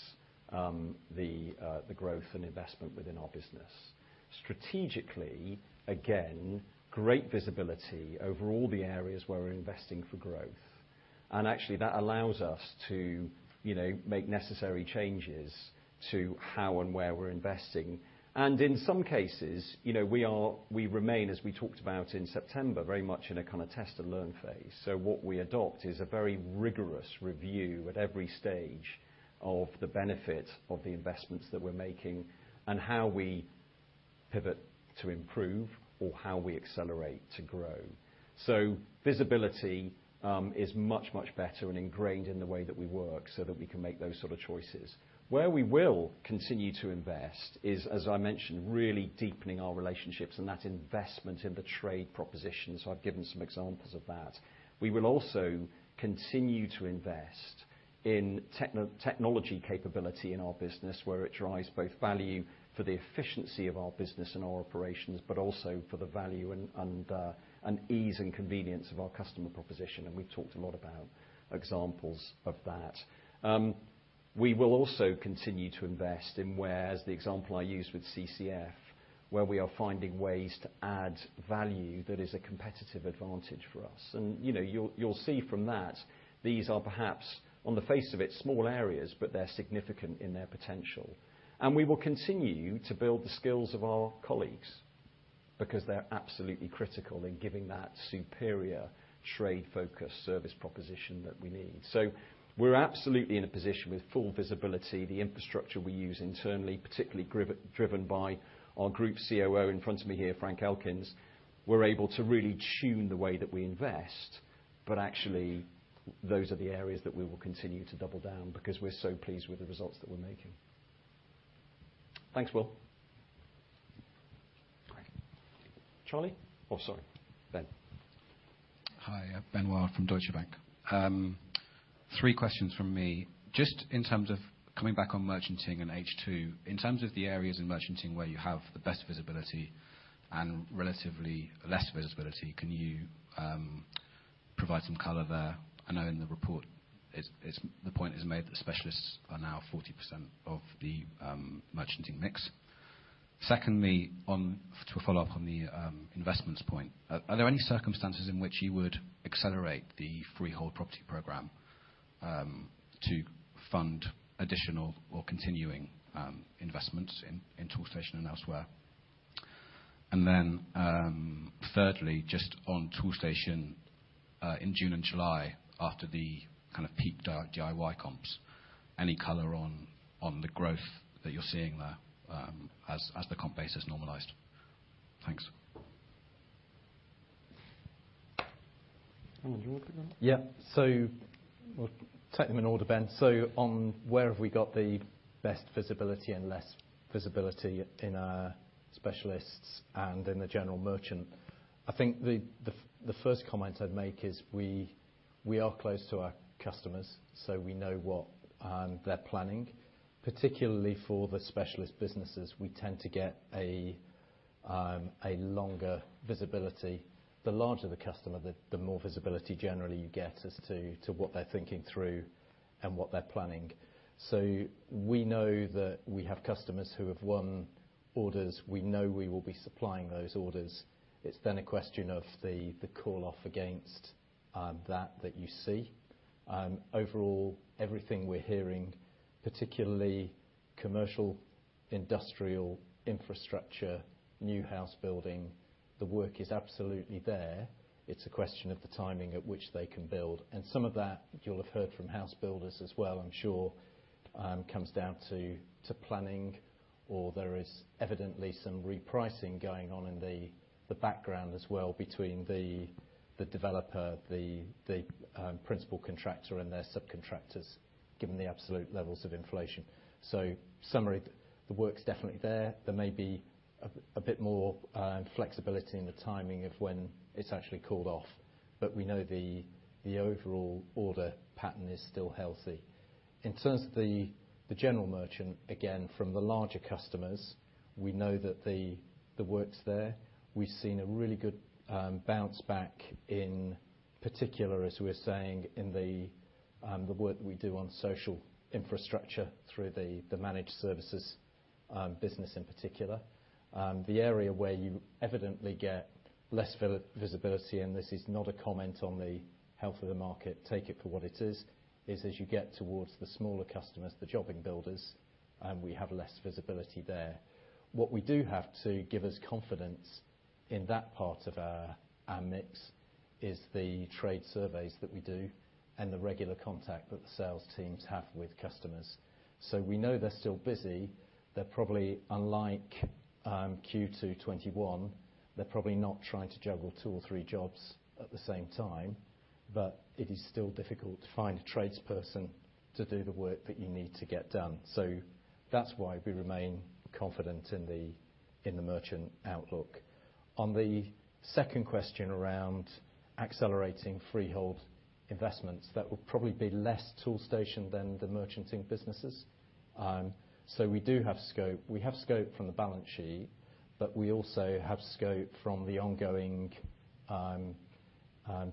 the growth and investment within our business. Strategically, again, great visibility over all the areas where we're investing for growth. Actually, that allows us to, you know, make necessary changes to how and where we're investing. In some cases, you know, we are, we remain, as we talked about in September, very much in a kinda test and learn phase. What we adopt is a very rigorous review at every stage of the benefit of the investments that we're making and how we pivot to improve or how we accelerate to grow. Visibility is much better and ingrained in the way that we work so that we can make those sort of choices. Where we will continue to invest is, as I mentioned, really deepening our relationships and that investment in the trade proposition, so I've given some examples of that. We will also continue to invest in technology capability in our business, where it drives both value for the efficiency of our business and our operations, but also for the value and ease and convenience of our customer proposition, and we've talked a lot about examples of that. We will also continue to invest in where, as the example I used with CCF, where we are finding ways to add value that is a competitive advantage for us. You know, you'll see from that these are perhaps on the face of it, small areas, but they're significant in their potential. We will continue to build the skills of our colleagues because they're absolutely critical in giving that superior trade-focused service proposition that we need. We're absolutely in a position with full visibility. The infrastructure we use internally, particularly driven by our Group COO in front of me here, Frank Elkins. We're able to really tune the way that we invest. Actually those are the areas that we will continue to double down because we're so pleased with the results that we're making. Thanks, Will. Charlie? Oh, sorry. Ben. Hi, Ben Wild from Deutsche Bank. Three questions from me. Just in terms of coming back on Merchanting in H2, in terms of the areas in Merchanting where you have the best visibility and relatively less visibility, can you provide some color there? I know in the report it's the point is made that specialists are now 40% of the Merchanting mix. Secondly, to follow up on the investments point, are there any circumstances in which you would accelerate the freehold property program to fund additional or continuing investments in Toolstation and elsewhere? Then, thirdly, just on Toolstation, in June and July, after the kind of peak DIY comps, any color on the growth that you're seeing there as the comp base has normalized? Thanks. Do you wanna pick that up? Yeah. We'll take them in order, Ben. On where have we got the best visibility and less visibility in our specialists and in the general merchant? I think the first comment I'd make is we are close to our customers, so we know what they're planning. Particularly for the specialist businesses we tend to get a longer visibility. The larger the customer, the more visibility generally you get as to what they're thinking through and what they're planning. We know that we have customers who have won orders. We know we will be supplying those orders. It's then a question of the call-off against that you see. Overall, everything we're hearing, particularly commercial, industrial infrastructure, new house building, the work is absolutely there. It's a question of the timing at which they can build. Some of that you'll have heard from house builders as well, I'm sure, comes down to planning, or there is evidently some repricing going on in the background as well between the developer, the principal contractor and their subcontractors, given the absolute levels of inflation. Summary, the work's definitely there. There may be a bit more flexibility in the timing of when it's actually called off, but we know the overall order pattern is still healthy. In terms of the general merchant, again, from the larger customers, we know that the work's there. We've seen a really good bounce back in particular, as we were saying, in the work that we do on social infrastructure through the Managed Services business in particular. The area where you evidently get less visibility, and this is not a comment on the health of the market, take it for what it is as you get towards the smaller customers, the jobbing builders, we have less visibility there. What we do have to give us confidence in that part of our mix is the trade surveys that we do and the regular contact that the sales teams have with customers. We know they're still busy. They're probably, unlike, Q2 2021, they're probably not trying to juggle two or three jobs at the same time, but it is still difficult to find a trades person to do the work that you need to get done. That's why we remain confident in the merchant outlook. On the second question around accelerating freehold investments, that would probably be less Toolstation than the Merchanting businesses. We do have scope. We have scope from the balance sheet, but we also have scope from the ongoing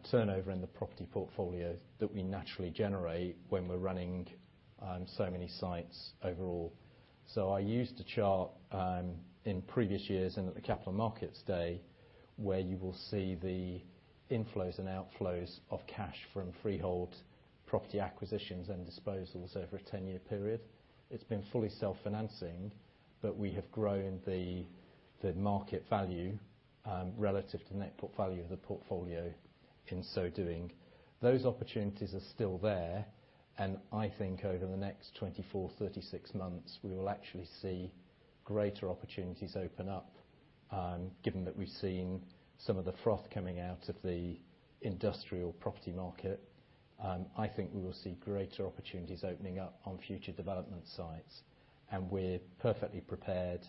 turnover in the property portfolio that we naturally generate when we're running so many sites overall. I used a chart in previous years and at the Capital Markets Day, where you will see the inflows and outflows of cash from freehold property acquisitions and disposals over a 10-year period. It's been fully self-financing, but we have grown the market value relative to the net book value of the portfolio in so doing. Those opportunities are still there and I think over the next 24, 36 months, we will actually see greater opportunities open up, given that we've seen some of the froth coming out of the industrial property market. I think we will see greater opportunities opening up on future development sites, and we're perfectly prepared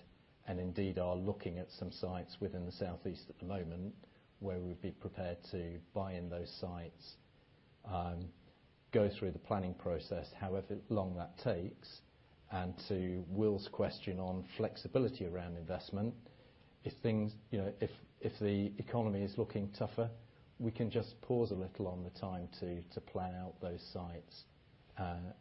and indeed are looking at some sites within the Southeast at the moment where we'd be prepared to buy in those sites, go through the planning process however long that takes. To Will's question on flexibility around investment, if things, you know, if the economy is looking tougher, we can just pause a little on the time to plan out those sites,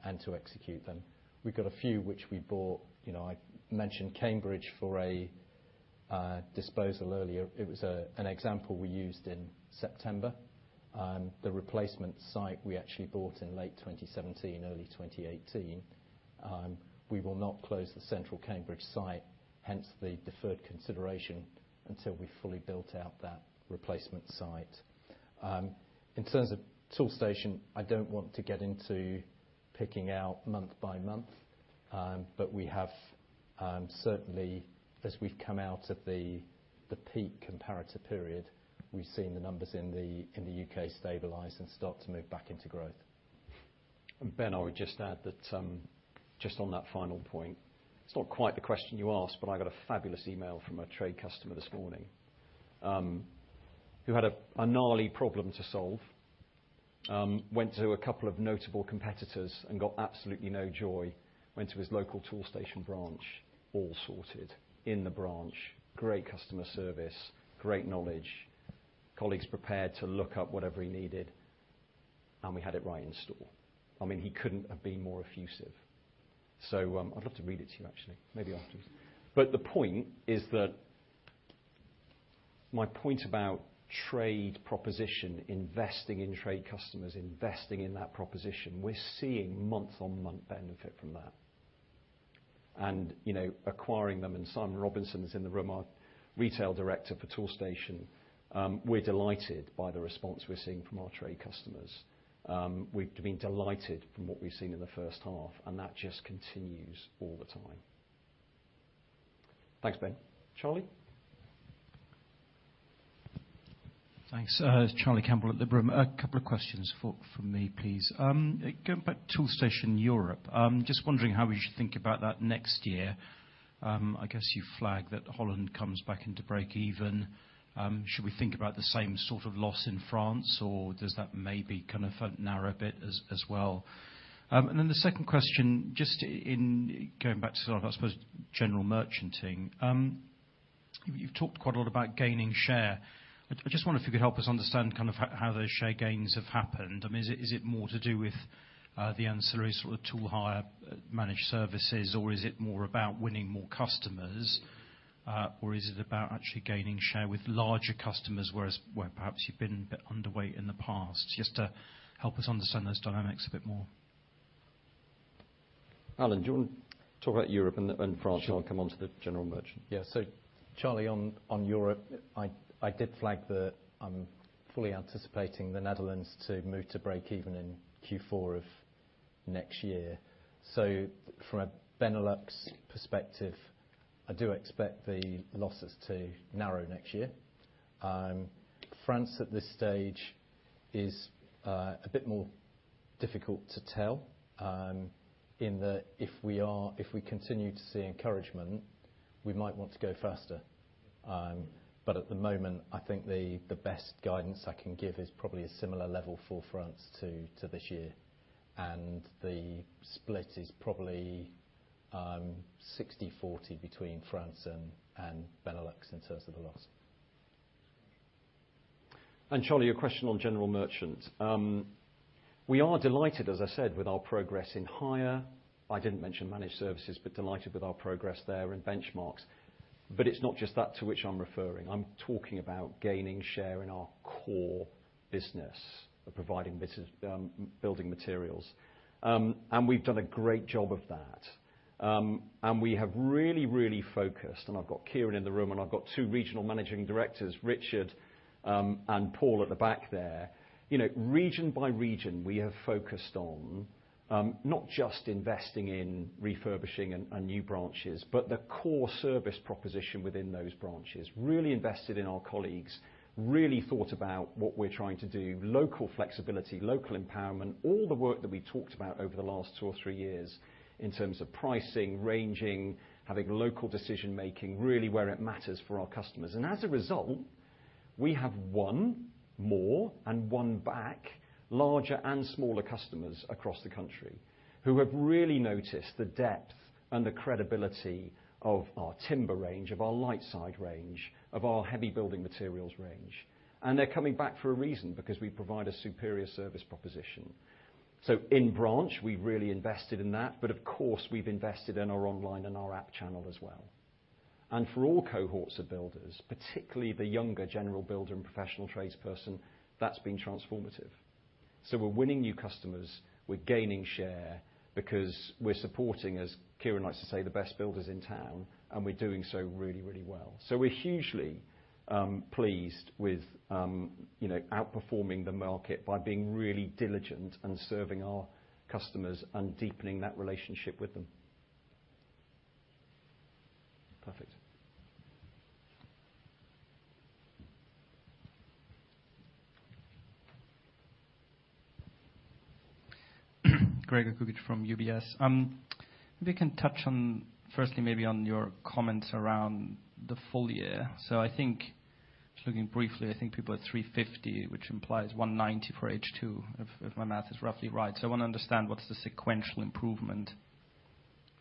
and to execute them. We've got a few which we bought. You know, I mentioned Cambridge for a disposal earlier. It was an example we used in September. The replacement site we actually bought in late 2017, early 2018. We will not close the central Cambridge site, hence the deferred consideration until we fully built out that replacement site. In terms of Toolstation, I don't want to get into picking out month by month. We have certainly, as we've come out of the peak comparator period, we've seen the numbers in the U.K. stabilize and start to move back into growth. Ben, I would just add that, just on that final point, it's not quite the question you asked, but I got a fabulous email from a trade customer this morning, who had a gnarly problem to solve. Went to a couple of notable competitors and got absolutely no joy. Went to his local Toolstation branch, all sorted in the branch, great customer service, great knowledge. Colleagues prepared to look up whatever he needed, and we had it right in store. I mean, he couldn't have been more effusive. I'd love to read it to you, actually. Maybe afterwards. The point is that my point about trade proposition, investing in trade customers, investing in that proposition, we're seeing month-on-month benefit from that. You know, acquiring them, and Simon Robinson's in the room, our Retail Director for Toolstation. We're delighted by the response we're seeing from our trade customers. We've been delighted from what we've seen in the first half, and that just continues all the time. Thanks, Ben. Charlie? Thanks. Charlie Campbell at Liberum. A couple of questions from me, please. Going back to Toolstation Europe, just wondering how we should think about that next year. I guess you flagged that Holland comes back into breakeven. Should we think about the same sort of loss in France, or does that maybe kind of narrow a bit as well? And then the second question, just in going back to sort of, I suppose, General Merchanting, you've talked quite a lot about gaining share. I just wonder if you could help us understand kind of how those share gains have happened. I mean, is it more to do with the ancillary sort of Tool Hire, Managed Services, or is it more about winning more customers? Is it about actually gaining share with larger customers, whereas where perhaps you've been a bit underweight in the past? Just to help us understand those dynamics a bit more. Alan, do you want to talk about Europe and France? Sure. I'll come on to the general merchant. Charlie, on Europe, I did flag that I'm fully anticipating the Netherlands to move to breakeven in Q4 of next year. From a Benelux perspective, I do expect the losses to narrow next year. France at this stage is a bit more difficult to tell, in that if we continue to see encouragement, we might want to go faster. But at the moment, I think the best guidance I can give is probably a similar level for France to this year. The split is probably 60/40 between France and Benelux in terms of the loss. Charlie, your question on general merchant. We are delighted, as I said, with our progress in Hire. I didn't mention Managed Services, but delighted with our progress there and Benchmarx. It's not just that to which I'm referring. I'm talking about gaining share in our core business of providing business, building materials. We've done a great job of that. We have really focused, and I've got Kieran in the room, and I've got two regional managing directors, Richard, and Paul at the back there. You know, region by region, we have focused on not just investing in refurbishing and new branches, but the core service proposition within those branches, really invested in our colleagues, really thought about what we're trying to do, local flexibility, local empowerment, all the work that we talked about over the last two or three years in terms of pricing, ranging, having local decision-making, really where it matters for our customers. As a result, we have won more and won back larger and smaller customers across the country who have really noticed the depth and the credibility of our timber range, of our light side range, of our heavy building materials range. They're coming back for a reason, because we provide a superior service proposition. In branch, we've really invested in that, but of course, we've invested in our online and our app channel as well. For all cohorts of builders, particularly the younger general builder and professional trades person, that's been transformative. We're winning new customers, we're gaining share because we're supporting, as Kieran likes to say, the best builders in town, and we're doing so really, really well. We're hugely pleased with, you know, outperforming the market by being really diligent and serving our customers and deepening that relationship with them. Perfect. Gregor Kuglitsch from UBS. If you can touch on, firstly, maybe on your comments around the full year. Just looking briefly, I think people are 350, which implies 190 for H2, if my math is roughly right. I wanna understand what's the sequential improvement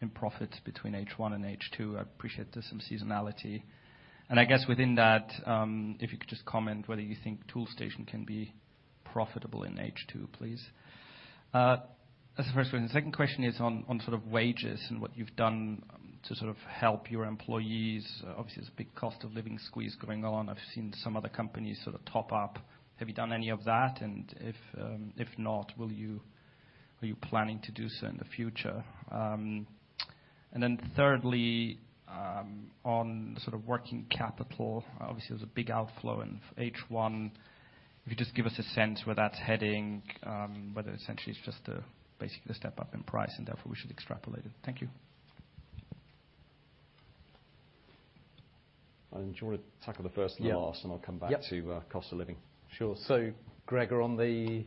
in profit between H1 and H2. I appreciate there's some seasonality. I guess within that, if you could just comment whether you think Toolstation can be profitable in H2, please. That's the first question. The second question is on sort of wages and what you've done to sort of help your employees. Obviously, there's a big cost of living squeeze going on. I've seen some other companies sort of top up. Have you done any of that? If not, are you planning to do so in the future? Thirdly, on sort of working capital. Obviously, there was a big outflow in H1. If you could just give us a sense where that's heading, whether essentially it's just a basically step up in price and therefore we should extrapolate it. Thank you. Do you wanna tackle the first and the last? Yeah. I'll come back to cost of living. Yeah, sure. Gregor, on the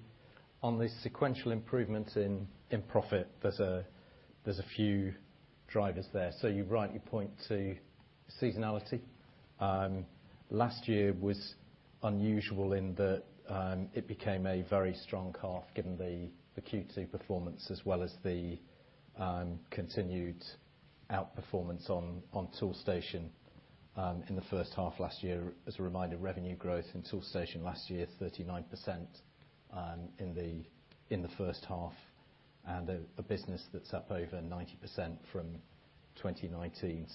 sequential improvements in profit, there's a few drivers there. You're right, you point to seasonality. Last year was unusual in that it became a very strong half given the Q2 performance as well as the continued outperformance on Toolstation in the first half last year. As a reminder, revenue growth in Toolstation last year, 39% in the first half, and a business that's up over 90% from 2019.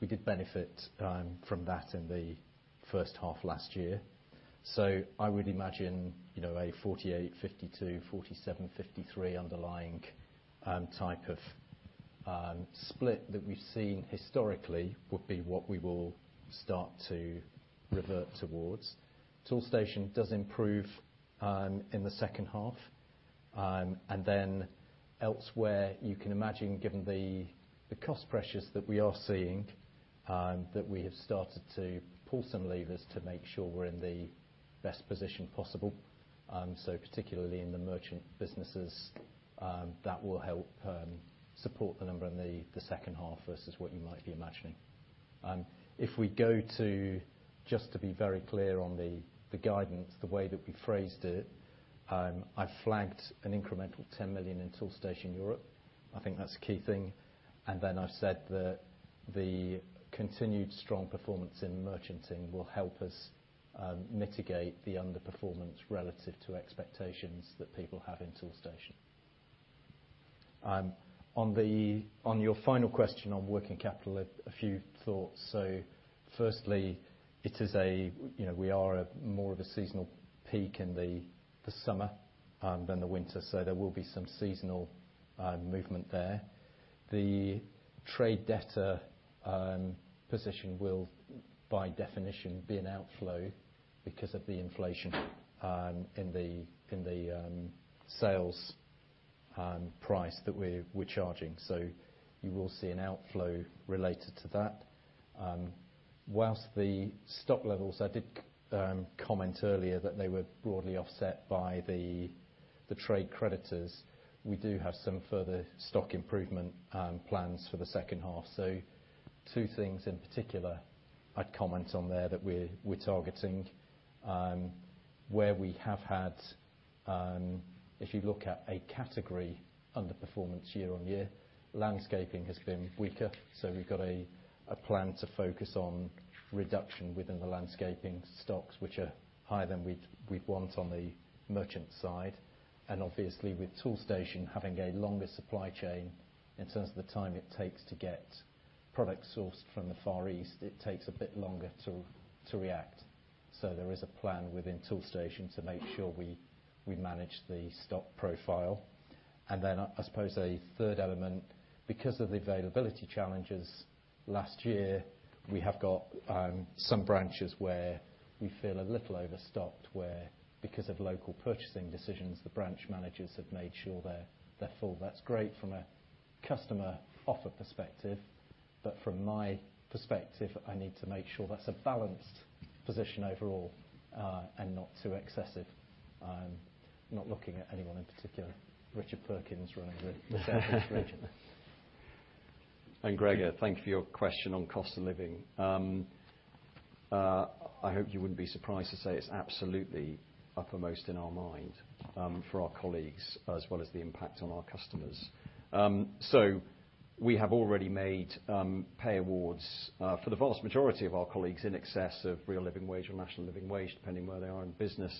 We did benefit from that in the first half last year. I would imagine, you know, a 48 to 52, 47 to 53 underlying type of split that we've seen historically would be what we will start to revert towards. Toolstation does improve in the second half. Elsewhere, you can imagine, given the cost pressures that we are seeing, that we have started to pull some levers to make sure we're in the best position possible. Particularly in the merchant businesses, that will help support the number in the second half versus what you might be imagining. If we go to just to be very clear on the guidance, the way that we phrased it, I flagged an incremental 10 million in Toolstation Europe. I think that's a key thing. I've said that the continued strong performance in Merchanting will help us mitigate the underperformance relative to expectations that people have in Toolstation. On your final question on working capital, a few thoughts. Firstly, you know, we are more of a seasonal peak in the summer than the winter. There will be some seasonal movement there. The trade debtor position will, by definition, be an outflow because of the inflation in the sales price that we're charging. You will see an outflow related to that. While the stock levels, I did comment earlier that they were broadly offset by the trade creditors, we do have some further stock improvement plans for the second half. Two things in particular I'd comment on there that we're targeting. Where we have had, if you look at a category underperformance year on year, landscaping has been weaker, so we've got a plan to focus on reduction within the landscaping stocks, which are higher than we'd want on the merchant side. Obviously with Toolstation having a longer supply chain in terms of the time it takes to get product sourced from the Far East, it takes a bit longer to react. There is a plan within Toolstation to make sure we manage the stock profile. Then I suppose a third element, because of the availability challenges last year, we have got some branches where we feel a little overstocked where, because of local purchasing decisions, the branch managers have made sure they're full. That's great from a customer offer perspective, but from my perspective, I need to make sure that's a balanced position overall, and not too excessive. Not looking at anyone in particular. Richard Perkins running late. Sorry, Richard. Gregor, thank you for your question on cost of living. I hope you wouldn't be surprised to say it's absolutely uppermost in our mind, for our colleagues, as well as the impact on our customers. We have already made pay awards, for the vast majority of our colleagues in excess of Real Living Wage or National Living Wage, depending where they are in business.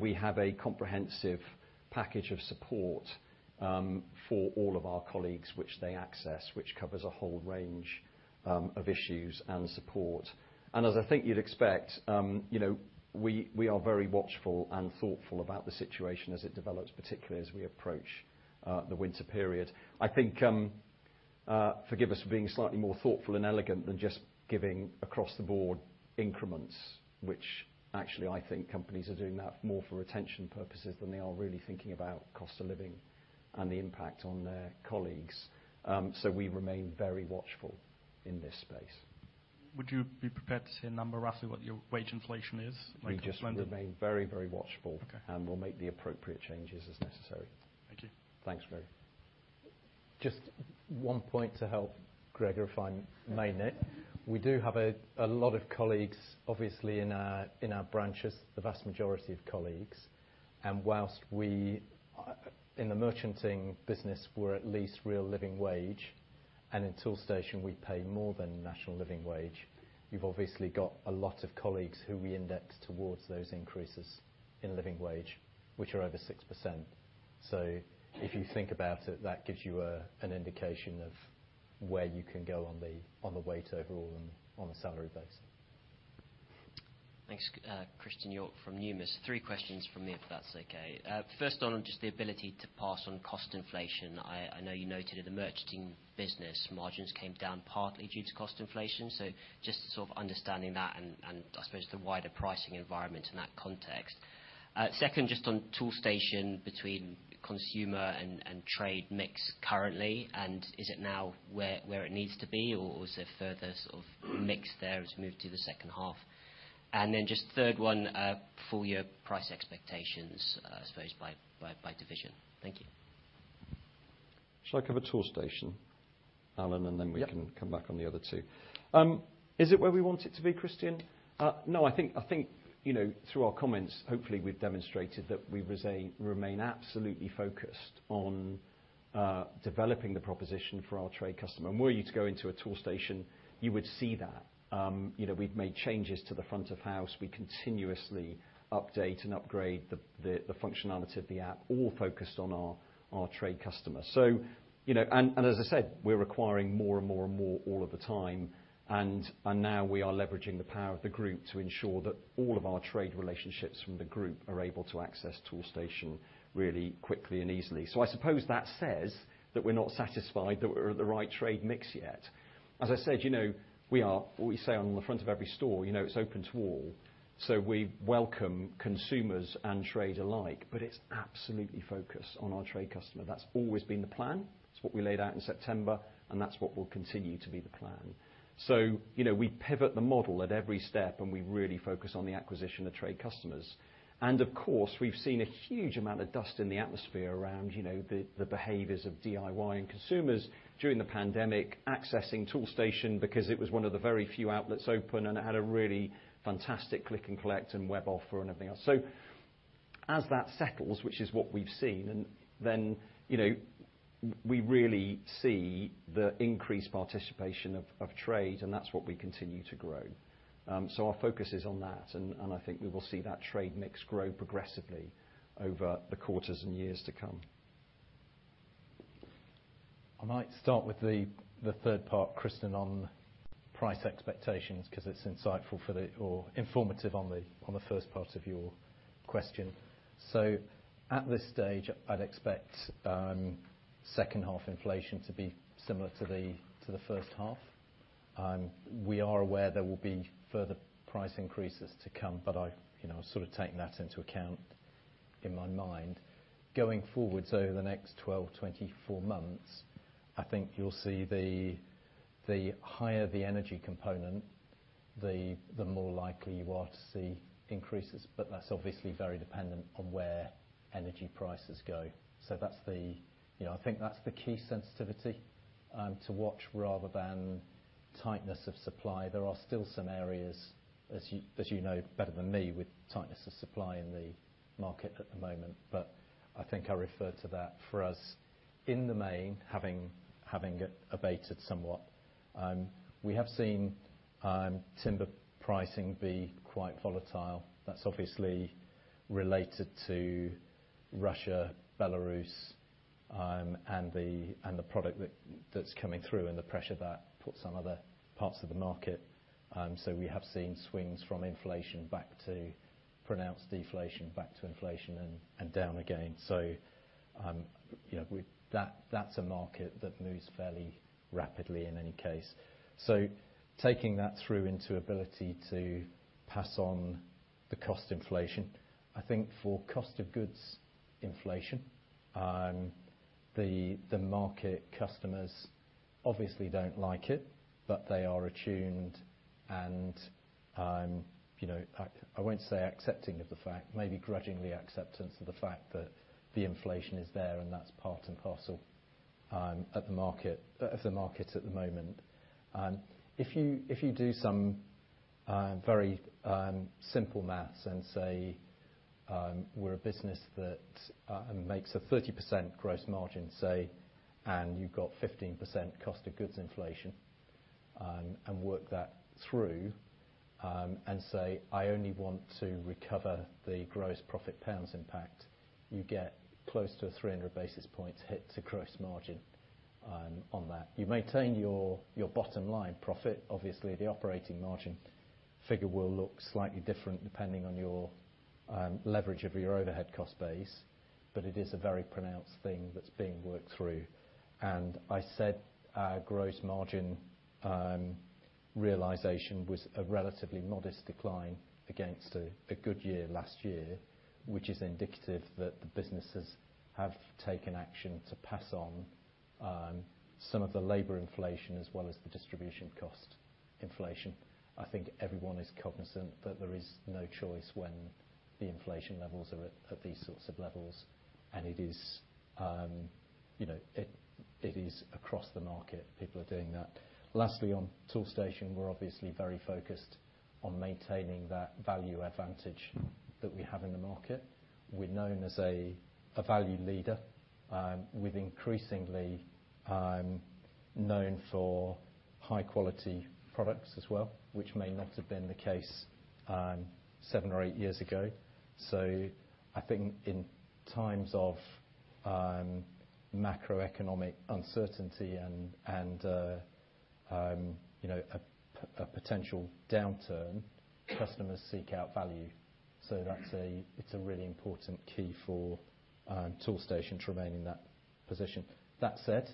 We have a comprehensive package of support, for all of our colleagues which they access, which covers a whole range of issues and support. As I think you'd expect, you know, we are very watchful and thoughtful about the situation as it develops, particularly as we approach the winter period. I think, forgive us for being slightly more thoughtful and elegant than just giving across-the-board increments, which actually I think companies are doing that more for retention purposes than they are really thinking about cost of living and the impact on their colleagues. We remain very watchful in this space. Would you be prepared to say a number, roughly what your wage inflation is like going forward? We just remain very, very watchful. Okay. We'll make the appropriate changes as necessary. Thank you. Thanks, Gregor. Just one point to help Gregor if I may, Nick. We do have a lot of colleagues, obviously in our branches, the vast majority of colleagues. While we in the Merchanting business, we're at least real living wage, and in Toolstation, we pay more than national living wage. You've obviously got a lot of colleagues who we index towards those increases in living wage, which are over 6%. If you think about it, that gives you an indication of where you can go on the wage overall and on a salary base. Thanks. Christen Hjorth from Numis. Three questions from me, if that's okay. First on just the ability to pass on cost inflation. I know you noted in the Merchanting business margins came down partly due to cost inflation. So just sort of understanding that and I suppose the wider pricing environment in that context. Second, just on Toolstation between consumer and trade mix currently, and is it now where it needs to be, or is there further sort of mix there as we move to the second half? Then just third one, full year price expectations, I suppose by division. Thank you. Shall I cover Toolstation, Alan? Yeah. We can come back on the other two. Is it where we want it to be, Christen? No, I think you know, through our comments, hopefully we've demonstrated that we remain absolutely focused on developing the proposition for our trade customer. Were you to go into a Toolstation, you would see that. You know, we've made changes to the front of house. We continuously update and upgrade the functionality of the app, all focused on our trade customer. You know. As I said, we're acquiring more and more all of the time, and now we are leveraging the power of the group to ensure that all of our trade relationships from the group are able to access Toolstation really quickly and easily. I suppose that says that we're not satisfied that we're at the right trade mix yet. As I said, you know, we say on the front of every store, you know, it's open to all. We welcome consumers and trade alike, but it's absolutely focused on our trade customer. That's always been the plan. It's what we laid out in September, and that's what will continue to be the plan. You know, we pivot the model at every step, and we really focus on the acquisition of trade customers. Of course, we've seen a huge amount of dust in the atmosphere around, you know, the behaviors of DIY and consumers during the pandemic, accessing Toolstation because it was one of the very few outlets open, and it had a really fantastic click and collect and web offer and everything else. As that settles, which is what we've seen, and then, you know, we really see the increased participation of trade, and that's what we continue to grow. Our focus is on that, and I think we will see that trade mix grow progressively over the quarters and years to come. I might start with the third part, Christen, on price expectations 'cause it's informative on the first part of your question. At this stage, I'd expect second half inflation to be similar to the first half. We are aware there will be further price increases to come, but I, you know, sort of taking that into account in my mind. Going forward, over the next 12, 24 months, I think you'll see the higher the energy component, the more likely you are to see increases. But that's obviously very dependent on where energy prices go. That's the key sensitivity to watch rather than tightness of supply. You know, I think that's the key sensitivity to watch rather than tightness of supply. There are still some areas, as you know better than me, with tightness of supply in the market at the moment, but I think I refer to that for us in the main, having it abated somewhat. We have seen timber pricing be quite volatile. That's obviously related to Russia, Belarus, and the product that's coming through and the pressure that puts on other parts of the market. We have seen swings from inflation back to pronounced deflation back to inflation and down again. You know, that's a market that moves fairly rapidly in any case. Taking that through into ability to pass on the cost inflation, I think for cost of goods inflation, the market customers obviously don't like it. They are attuned and, you know, I won't say accepting of the fact, maybe grudgingly acceptance of the fact that the inflation is there and that's part and parcel, at the market, of the market at the moment. If you do some very simple math and say, we're a business that makes a 30% gross margin, say, and you've got 15% cost of goods inflation, and work that through, and say, "I only want to recover the gross profit pounds impact," you get close to 300 basis points hit to gross margin, on that. You maintain your bottom line profit. Obviously, the operating margin figure will look slightly different depending on your leverage of your overhead cost base, but it is a very pronounced thing that's being worked through. I said our gross margin realization was a relatively modest decline against a good year last year, which is indicative that the businesses have taken action to pass on some of the labor inflation as well as the distribution cost inflation. I think everyone is cognizant that there is no choice when the inflation levels are at these sorts of levels. It is, you know, it is across the market, people are doing that. Lastly, on Toolstation, we're obviously very focused on maintaining that value advantage that we have in the market. We're known as a value leader with increasingly known for high quality products as well, which may not have been the case seven or eight years ago. I think in times of macroeconomic uncertainty and, you know, a potential downturn, customers seek out value. That's a really important key for Toolstation to remain in that position. That said,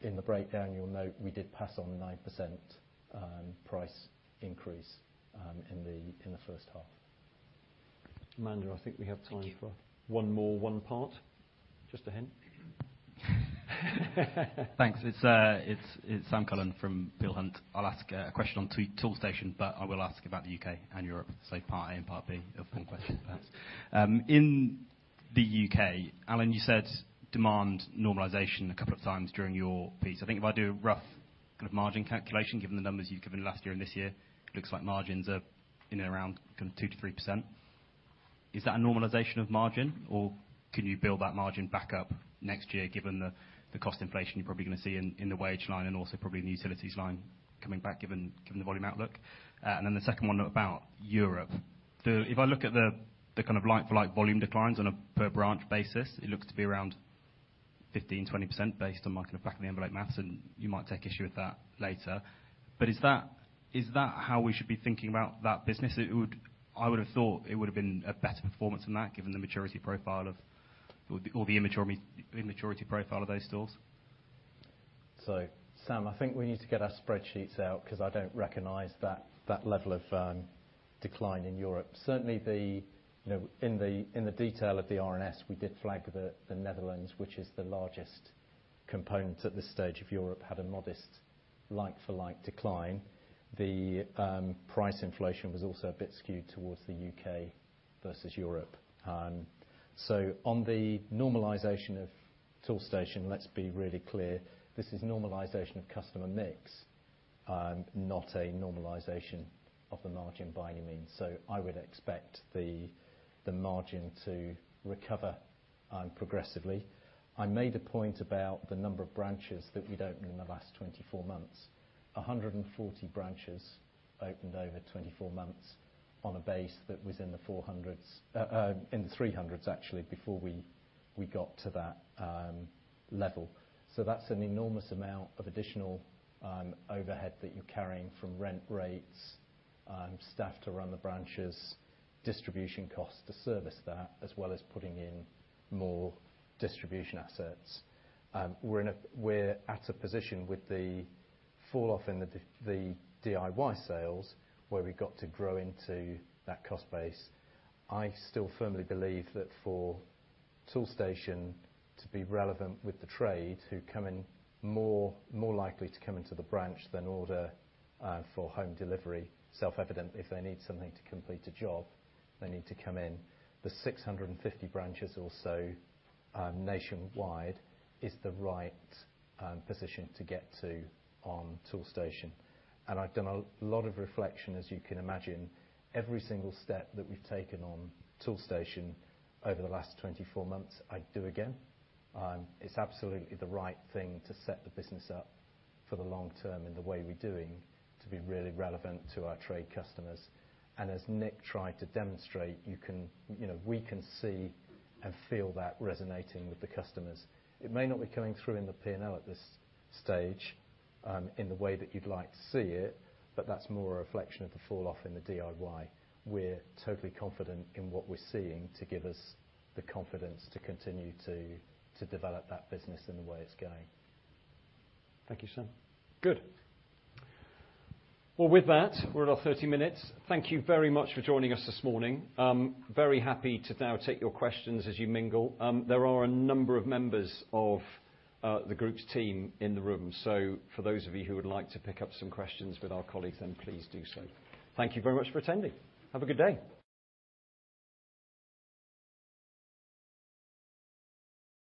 in the breakdown, you'll note we did pass on 9% price increase in the first half. Man, I think we have time for one more, one part. Just a hint. Thanks. It's Sam Cullen from Peel Hunt. I'll ask a question on Toolstation, but I will ask about the U.K. and Europe, so part A and part B of one question first. In the U.K., Alan, you said demand normalization a couple of times during your piece. I think if I do a rough kind of margin calculation, given the numbers you've given last year and this year, it looks like margins are in and around kinda 2% to 3%. Is that a normalization of margin, or can you build that margin back up next year given the cost inflation you're probably gonna see in the wage line and also probably in the utilities line coming back given the volume outlook? And then the second one about Europe. If I look at the kind of like-for-like volume declines on a per-branch basis, it looks to be around 15% to 20% based on my kind of back-of-the-envelope math, and you might take issue with that later. Is that how we should be thinking about that business? I would have thought it would have been a better performance than that given the immaturity profile of those stores. Sam, I think we need to get our spreadsheets out 'cause I don't recognize that level of decline in Europe. Certainly in the detail of the RNS, we did flag the Netherlands, which is the largest component at this stage of Europe, had a modest like-for-like decline. The price inflation was also a bit skewed towards the U.K. versus Europe. On the normalization of Toolstation, let's be really clear, this is normalization of customer mix, not a normalization of the margin by any means. I would expect the margin to recover progressively. I made a point about the number of branches that we'd opened in the last 24 months. 140 branches opened over 24 months on a base that was in the 400s, in the 300s actually, before we got to that level. That's an enormous amount of additional overhead that you're carrying from rent rates, staff to run the branches, distribution costs to service that, as well as putting in more distribution assets. We're at a position with the falloff in the DIY sales, where we've got to grow into that cost base. I still firmly believe that for Toolstation to be relevant with the trade, who come in more likely to come into the branch than order for home delivery, self-evident, if they need something to complete a job, they need to come in. The 650 branches or so nationwide is the right position to get to on Toolstation. I've done a lot of reflection, as you can imagine. Every single step that we've taken on Toolstation over the last 24 months, I'd do again. It's absolutely the right thing to set the business up for the long term in the way we're doing to be really relevant to our trade customers. As Nick tried to demonstrate, you can, you know, we can see and feel that resonating with the customers. It may not be coming through in the P&L at this stage in the way that you'd like to see it, but that's more a reflection of the falloff in the DIY. We're totally confident in what we're seeing to give us the confidence to continue to develop that business in the way it's going. Thank you, Sam. Good. Well, with that, we're at our 30 minutes. Thank you very much for joining us this morning. Very happy to now take your questions as you mingle. There are a number of members of the Group's team in the room. For those of you who would like to pick up some questions with our colleagues, then please do so. Thank you very much for attending. Have a good day.